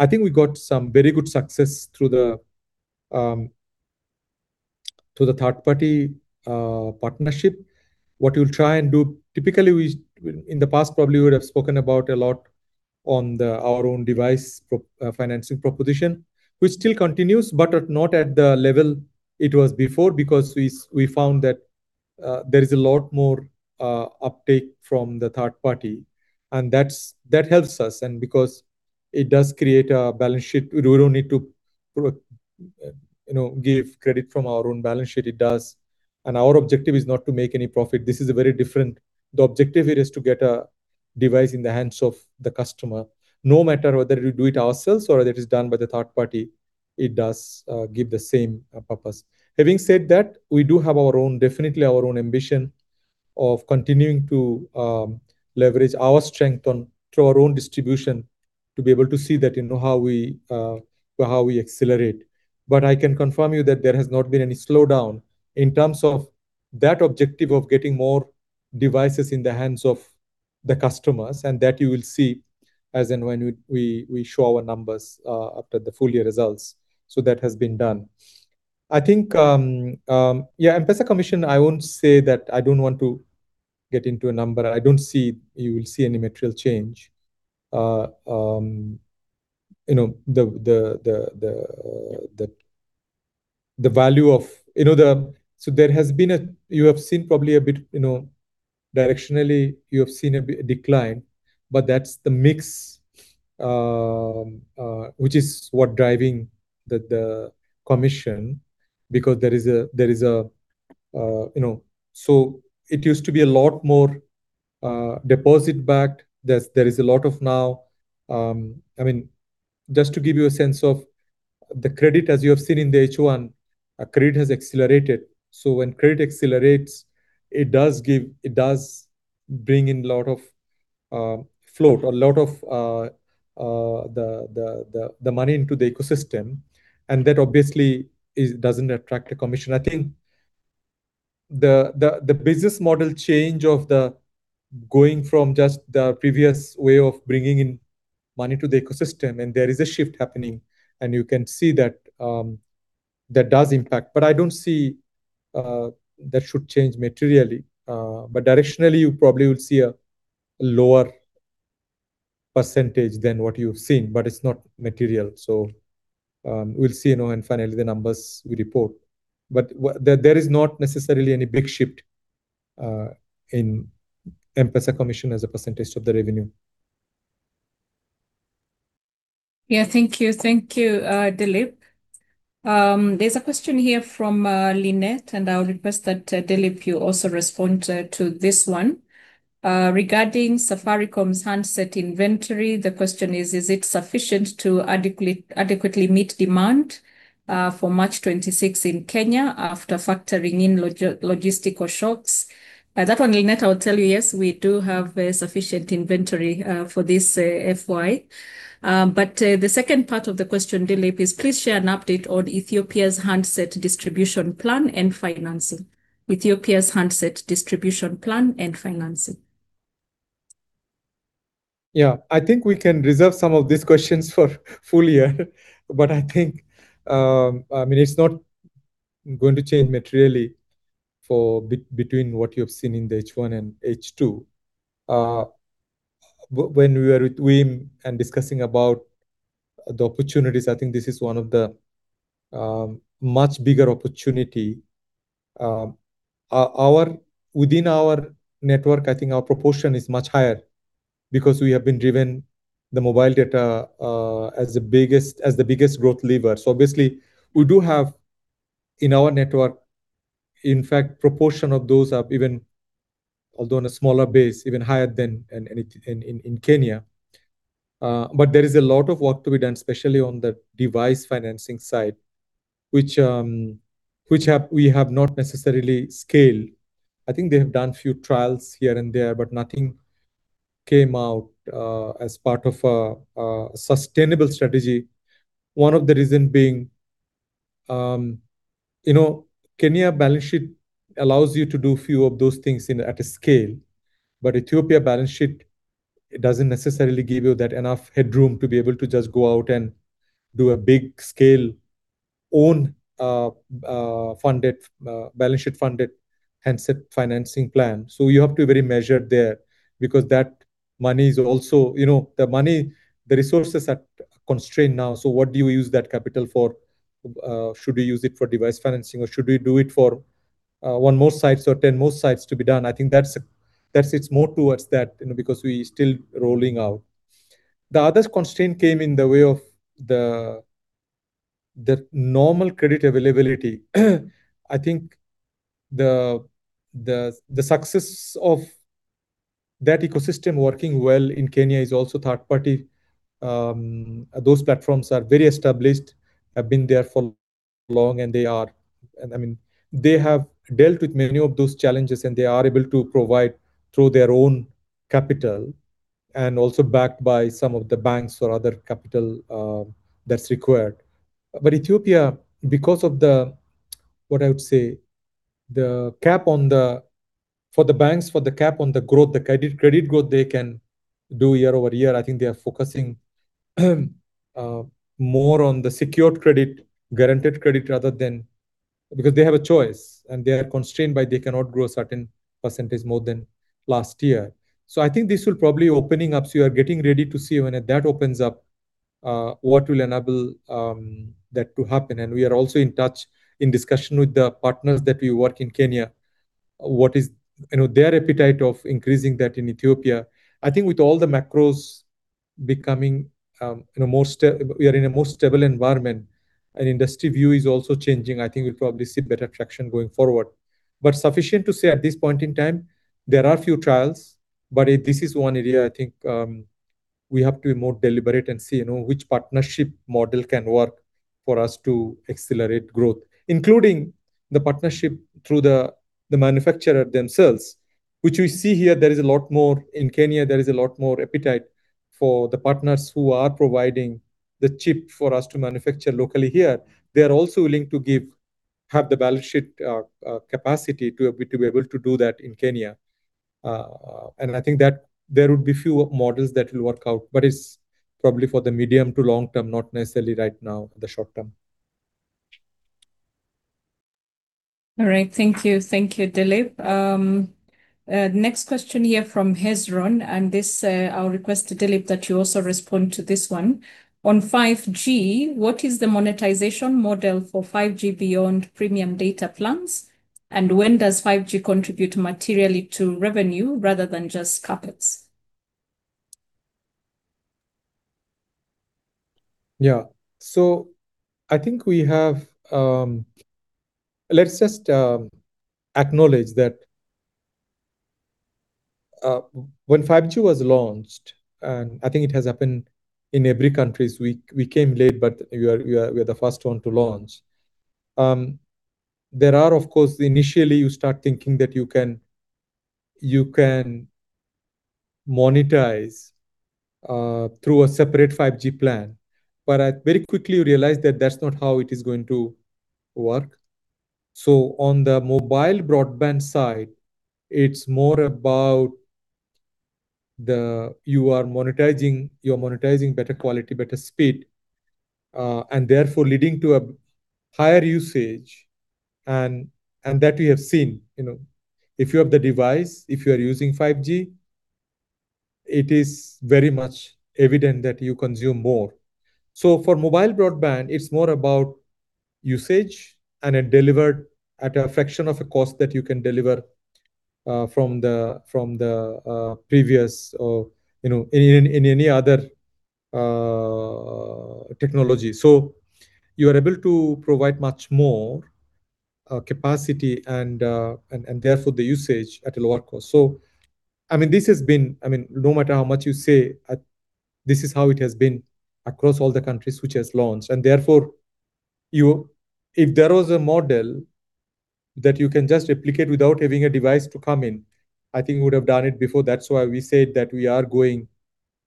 I think we got some very good success through the third party partnership. What we'll try and do. Typically, in the past, probably would have spoken about a lot on our own device financing proposition, which still continues, but not at the level it was before because we found that there is a lot more uptake from the third party, and that helps us. Because it does create a balance sheet, we don't need to you know, give credit from our own balance sheet. It does. Our objective is not to make any profit. This is a very different. The objective here is to get a device in the hands of the customer, no matter whether we do it ourselves or whether it's done by the third party, it does give the same purpose. Having said that, we do have our own, definitely our own ambition of continuing to leverage our strength through our own distribution to be able to see that, you know, how we accelerate. I can confirm you that there has not been any slowdown in terms of that objective of getting more devices in the hands of the customers, and that you will see as and when we show our numbers after the full year results. That has been done. I think. Yeah, M-PESA commission, I won't say that I don't want to get into a number. I don't see, you will see any material change. You have seen probably a bit, you know, directionally you have seen a bit decline, but that's the mix, which is what driving the commission because there is a, you know. It used to be a lot more deposit backed. There's a lot more now. I mean, just to give you a sense of the credit as you have seen in the H1, credit has accelerated. When credit accelerates, it does bring in a lot of flow. A lot of the money into the ecosystem, and that obviously doesn't attract a commission. I think the business model change of going from just the previous way of bringing in money to the ecosystem, and there is a shift happening. You can see that that does impact. I don't see that should change materially. Directionally, you probably will see a lower percentage than what you've seen, but it's not material. We'll see, you know, and finally the numbers we report. There is not necessarily any big shift in M-PESA commission as a percentage of the revenue. Thank you, Dilip. There's a question here from Lynette, and I would request that, Dilip, you also respond to this one. Regarding Safaricom's handset inventory, the question is it sufficient to adequately meet demand for March 2026 in Kenya after factoring in logistical shocks? That one, Lynette, I will tell you, yes, we do have sufficient inventory for this FY. But the second part of the question, Dilip, is please share an update on Ethiopia's handset distribution plan and financing. I think we can reserve some of these questions for full year. I think, I mean, it's not going to change materially between what you have seen in the H1 and H2. When we were with Wim and discussing about the opportunities, I think this is one of the much bigger opportunity. Within our network, I think our proportion is much higher because we have been driving the mobile data as the biggest growth lever. Obviously we do have in our network, in fact, proportion of those are even, although on a smaller base, even higher than in Kenya. There is a lot of work to be done, especially on the device financing side, which we have not necessarily scaled. I think they have done few trials here and there, but nothing came out as part of a sustainable strategy. One of the reason being, you know, Kenya balance sheet allows you to do few of those things in at a scale. But Ethiopia balance sheet, it doesn't necessarily give you that enough headroom to be able to just go out and do a big scale own funded balance sheet funded handset financing plan. You have to be very measured there because that money is also you know, the money, the resources are constrained now, so what do you use that capital for? Should we use it for device financing or should we do it for one more sites or 10 more sites to be done? I think that sits more towards that, you know, because we still rolling out. The other constraint came in the way of the normal credit availability. I think the success of that ecosystem working well in Kenya is also third party. Those platforms are very established, have been there for long, and they are. I mean, they have dealt with many of those challenges, and they are able to provide through their own capital and also backed by some of the banks or other capital, that's required. Ethiopia, because of what I would say, the cap on the. For the banks, for the cap on the growth, the credit growth they can do year-over-year, I think they are focusing more on the secured credit, guaranteed credit rather than. They have a choice, and they are constrained by they cannot grow a certain percentage more than last year. I think this will probably be opening up. You are getting ready to see when that opens up, what will enable that to happen. We are also in touch, in discussion with the partners that we work with in Kenya. What is their appetite for increasing that in Ethiopia. I think with all the macros becoming, we are in a more stable environment and industry view is also changing. I think we'll probably see better traction going forward. Sufficient to say at this point in time, there are a few trials, but this is one area I think we have to be more deliberate and see, you know, which partnership model can work for us to accelerate growth, including the partnership through the manufacturer themselves, which we see here there is a lot more. In Kenya, there is a lot more appetite for the partners who are providing the chip for us to manufacture locally here. They are also willing to give, have the balance sheet, capacity to be able to do that in Kenya. I think that there would be few models that will work out, but it's probably for the medium to long term, not necessarily right now, the short term. All right. Thank you. Thank you, Dilip. Next question here from Hezron, and this, I'll request to Dilip that you also respond to this one. On 5G, what is the monetization model for 5G beyond premium data plans? And when does 5G contribute materially to revenue rather than just CapEx? Let's just acknowledge that when 5G was launched, and I think it has happened in every country. We came late, but we are the first one to launch. There are, of course. Initially, you start thinking that you can monetize through a separate 5G plan. But I very quickly realized that that's not how it is going to work. On the mobile broadband side, it's more about you are monetizing better quality, better speed, and therefore leading to a higher usage, and that we have seen. You know, if you have the device, if you are using 5G, it is very much evident that you consume more. For mobile broadband, it's more about usage and it delivered at a fraction of a cost that you can deliver from the previous or, you know, any in any other technology. You are able to provide much more capacity and therefore the usage at a lower cost. I mean, this has been I mean, no matter how much you say, this is how it has been across all the countries which has launched. Therefore you. If there was a model that you can just replicate without having a device to come in, I think we would have done it before. That's why we said that we are going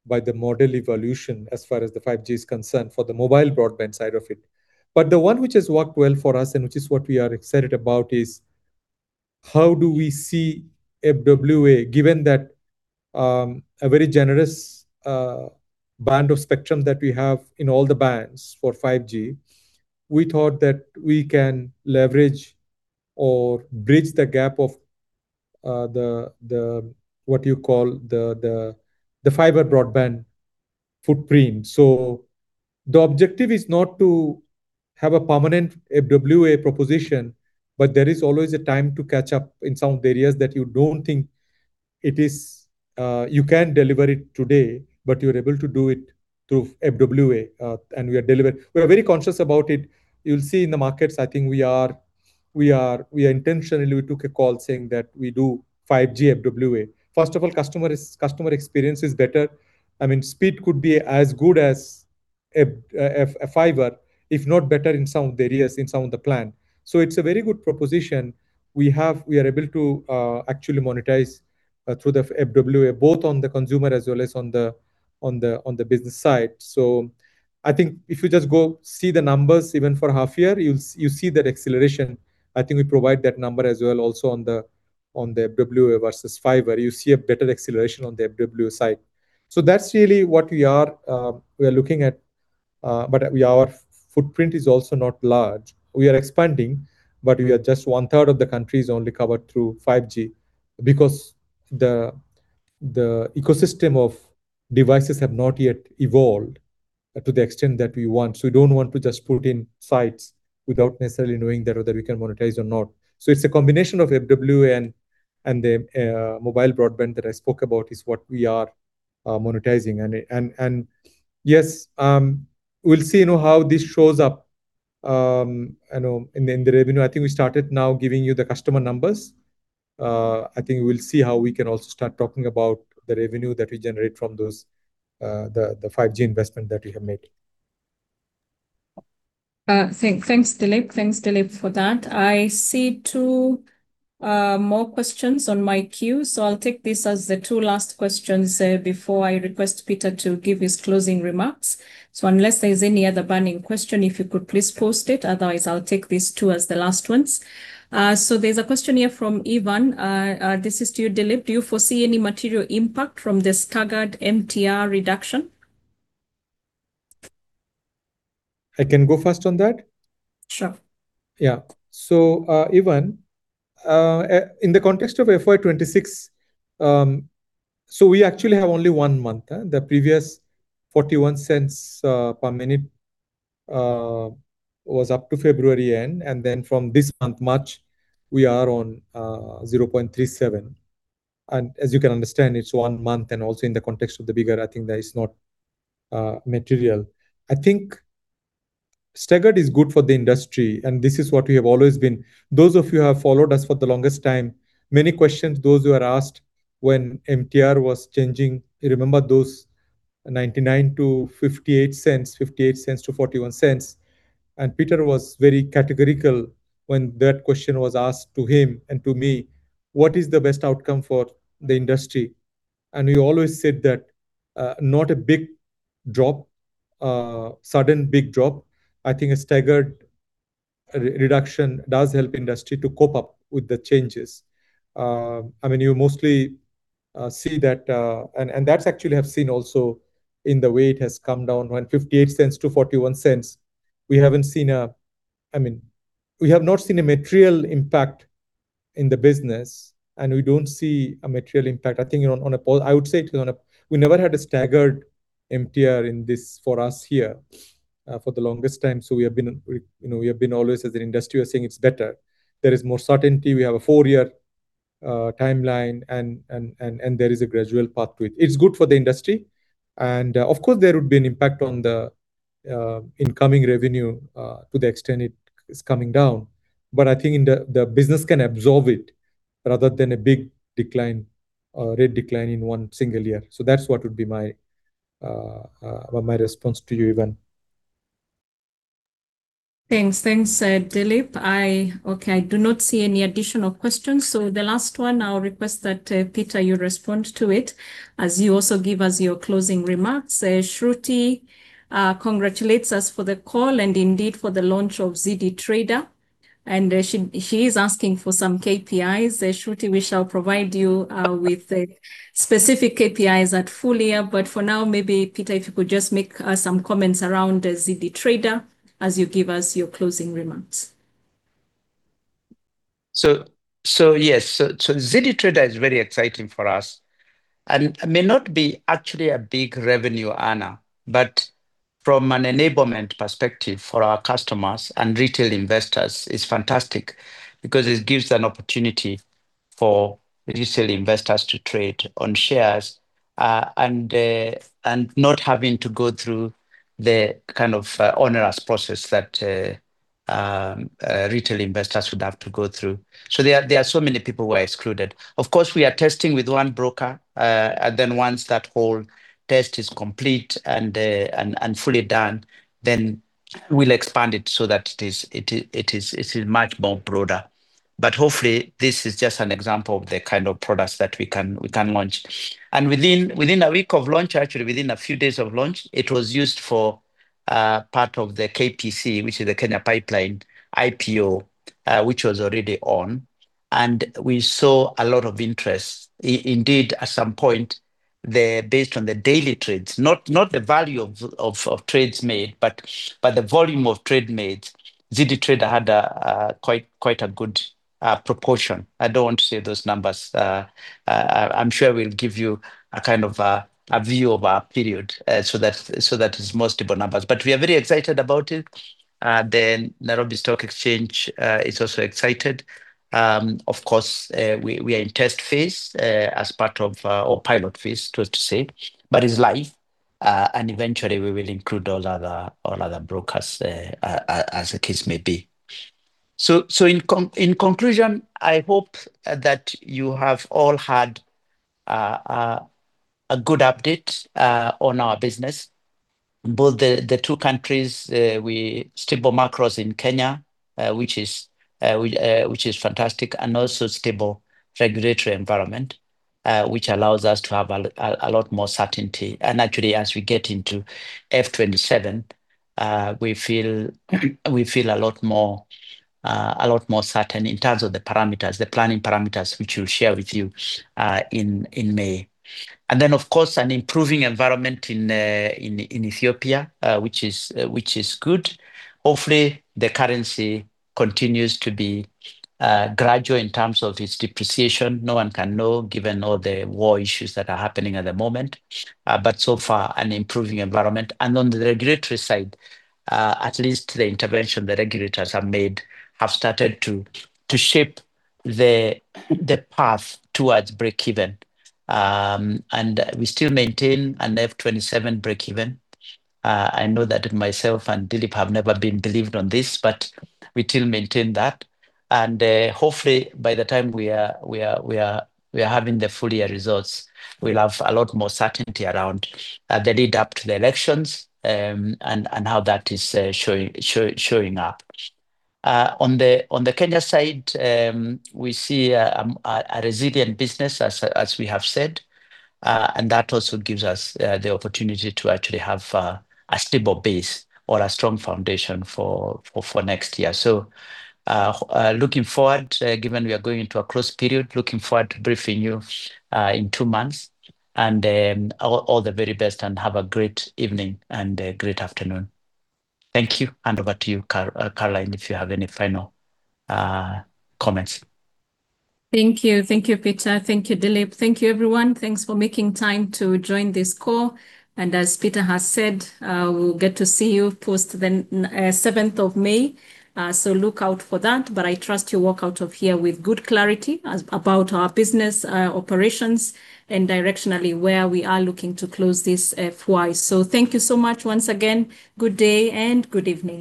by the model evolution as far as the 5G is concerned for the mobile broadband side of it. The one which has worked well for us and which is what we are excited about is how do we see FWA, given that a very generous band of spectrum that we have in all the bands for 5G. We thought that we can leverage or bridge the gap of the what you call the fiber broadband footprint. The objective is not to have a permanent FWA proposition, but there is always a time to catch up in some areas that you don't think it is you can deliver it today, but you're able to do it through FWA and we are delivering. We are very conscious about it. You'll see in the markets, I think we are intentionally, we took a call saying that we do 5G FWA. First of all, customer experience is better. I mean, speed could be as good as a fiber, if not better in some of the areas, in some of the plan. It's a very good proposition. We are able to actually monetize through the FWA, both on the consumer as well as on the business side. I think if you just go see the numbers even for half year, you see that acceleration. I think we provide that number as well also on the FWA versus fiber. You see a better acceleration on the FWA side. That's really what we are looking at, but our footprint is also not large. We are expanding, but we are just one third of the countries only covered through 5G because the ecosystem of devices have not yet evolved to the extent that we want. We don't want to just put in sites without necessarily knowing whether we can monetize or not. It's a combination of FWA and the mobile broadband that I spoke about is what we are monetizing. Yes, we'll see, you know, how this shows up, you know, in the revenue. I think we started now giving you the customer numbers. I think we'll see how we can also start talking about the revenue that we generate from those, the 5G investment that we have made. Thanks, Dilip. Thanks, Dilip, for that. I see two more questions on my queue. I'll take these as the two last questions before I request Peter to give his closing remarks. Unless there's any other burning question, if you could please post it, otherwise I'll take these two as the last ones. There's a question here from Evan. This is to you, Dilip. Do you foresee any material impact from the staggered MTR reduction? I can go first on that. Sure. Yeah. Evan, in the context of FY 2026, we actually have only one month, the previous 0.41 per minute was up to February end, and then from this month, March, we are on 0.37. As you can understand, it's one month and also in the context of the bigger picture, I think that is not material. I think staggered is good for the industry, and this is what we have always been. Those of you who have followed us for the longest time, many questions that were asked when MTR was changing. You remember those 0.99- 0.58, 0.58 to 0.41. Peter was very categorical when that question was asked to him and to me, "What is the best outcome for the industry?" We always said that not a big drop, sudden big drop. I think a staggered re-reduction does help industry to cope up with the changes. I mean, you mostly see that. That's actually I've seen also in the way it has come down. When 58 cents - 41 cents, we haven't seen, I mean, we have not seen a material impact in the business, and we don't see a material impact. I think I would say to be honest, we never had a staggered MTR in this for us here for the longest time. So we have been, you know, always as an industry, we are saying it's better. There is more certainty. We have a four-year timeline and there is a gradual path to it. It's good for the industry. Of course there would be an impact on the incoming revenue to the extent it is coming down. But I think the business can absorb it rather than a big rate decline in one single year. That's what would be my response to you, Evan. Thanks. Thanks, Dilip. Okay, I do not see any additional questions. The last one I'll request that Peter, you respond to it as you also give us your closing remarks. Shruti congratulates us for the call and indeed for the launch of Ziidi Trader. She is asking for some KPIs. Shruti, we shall provide you with the specific KPIs at full year. For now, maybe Peter, if you could just make some comments around the Ziidi Trader as you give us your closing remarks. Yes. Ziidi Trader is very exciting for us and may not be actually a big revenue earner, but from an enablement perspective for our customers and retail investors, it's fantastic because it gives an opportunity for retail investors to trade on shares and not having to go through the kind of onerous process that retail investors would have to go through. There are so many people who are excluded. Of course, we are testing with one broker. And then once that whole test is complete and fully done, then we'll expand it so that it is much more broader. But hopefully this is just an example of the kind of products that we can launch. Within a week of launch, actually within a few days of launch, it was used for part of the KPC, which is the Kenya Pipeline IPO, which was already on. We saw a lot of interest. Indeed, at some point, based on the daily trades, not the value of trades made, but the volume of trade made, Ziidi Trader had quite a good proportion. I don't want to say those numbers. I'm sure we'll give you a kind of a view of our period, so that is most of the numbers. We are very excited about it. Nairobi Securities Exchange is also excited. Of course, we are in test phase as part of or pilot phase, so to say, but it's live. Eventually we will include all other brokers as the case may be. In conclusion, I hope that you have all had a good update on our business. Both the two countries stable macros in Kenya, which is fantastic. Also stable regulatory environment, which allows us to have a lot more certainty. Actually, as we get into FY 2027, we feel a lot more certain in terms of the parameters, the planning parameters, which we'll share with you in May. Of course, an improving environment in Ethiopia, which is good. Hopefully, the currency continues to be gradual in terms of its depreciation. No one can know, given all the war issues that are happening at the moment. So far, an improving environment. On the regulatory side, at least the intervention the regulators have made have started to shape the path towards breakeven. We still maintain an FY 2027 breakeven. I know that myself and Dilip have never been believed on this, but we still maintain that. Hopefully by the time we are having the full year results, we'll have a lot more certainty around the lead up to the elections, and how that is showing up. On the Kenya side, we see a resilient business as we have said, and that also gives us the opportunity to actually have a stable base or a strong foundation for next year. Looking forward, given we are going into a close period, looking forward to briefing you in two months. All the very best and have a great evening and a great afternoon. Thank you. Over to you, Caroline, if you have any final comments. Thank you. Thank you, Peter. Thank you, Dilip. Thank you, everyone. Thanks for making time to join this call. As Peter has said, we'll get to see you post the 7 May. Look out for that. I trust you walk out of here with good clarity about our business operations and directionally where we are looking to close this FY. Thank you so much once again, good day and good evening.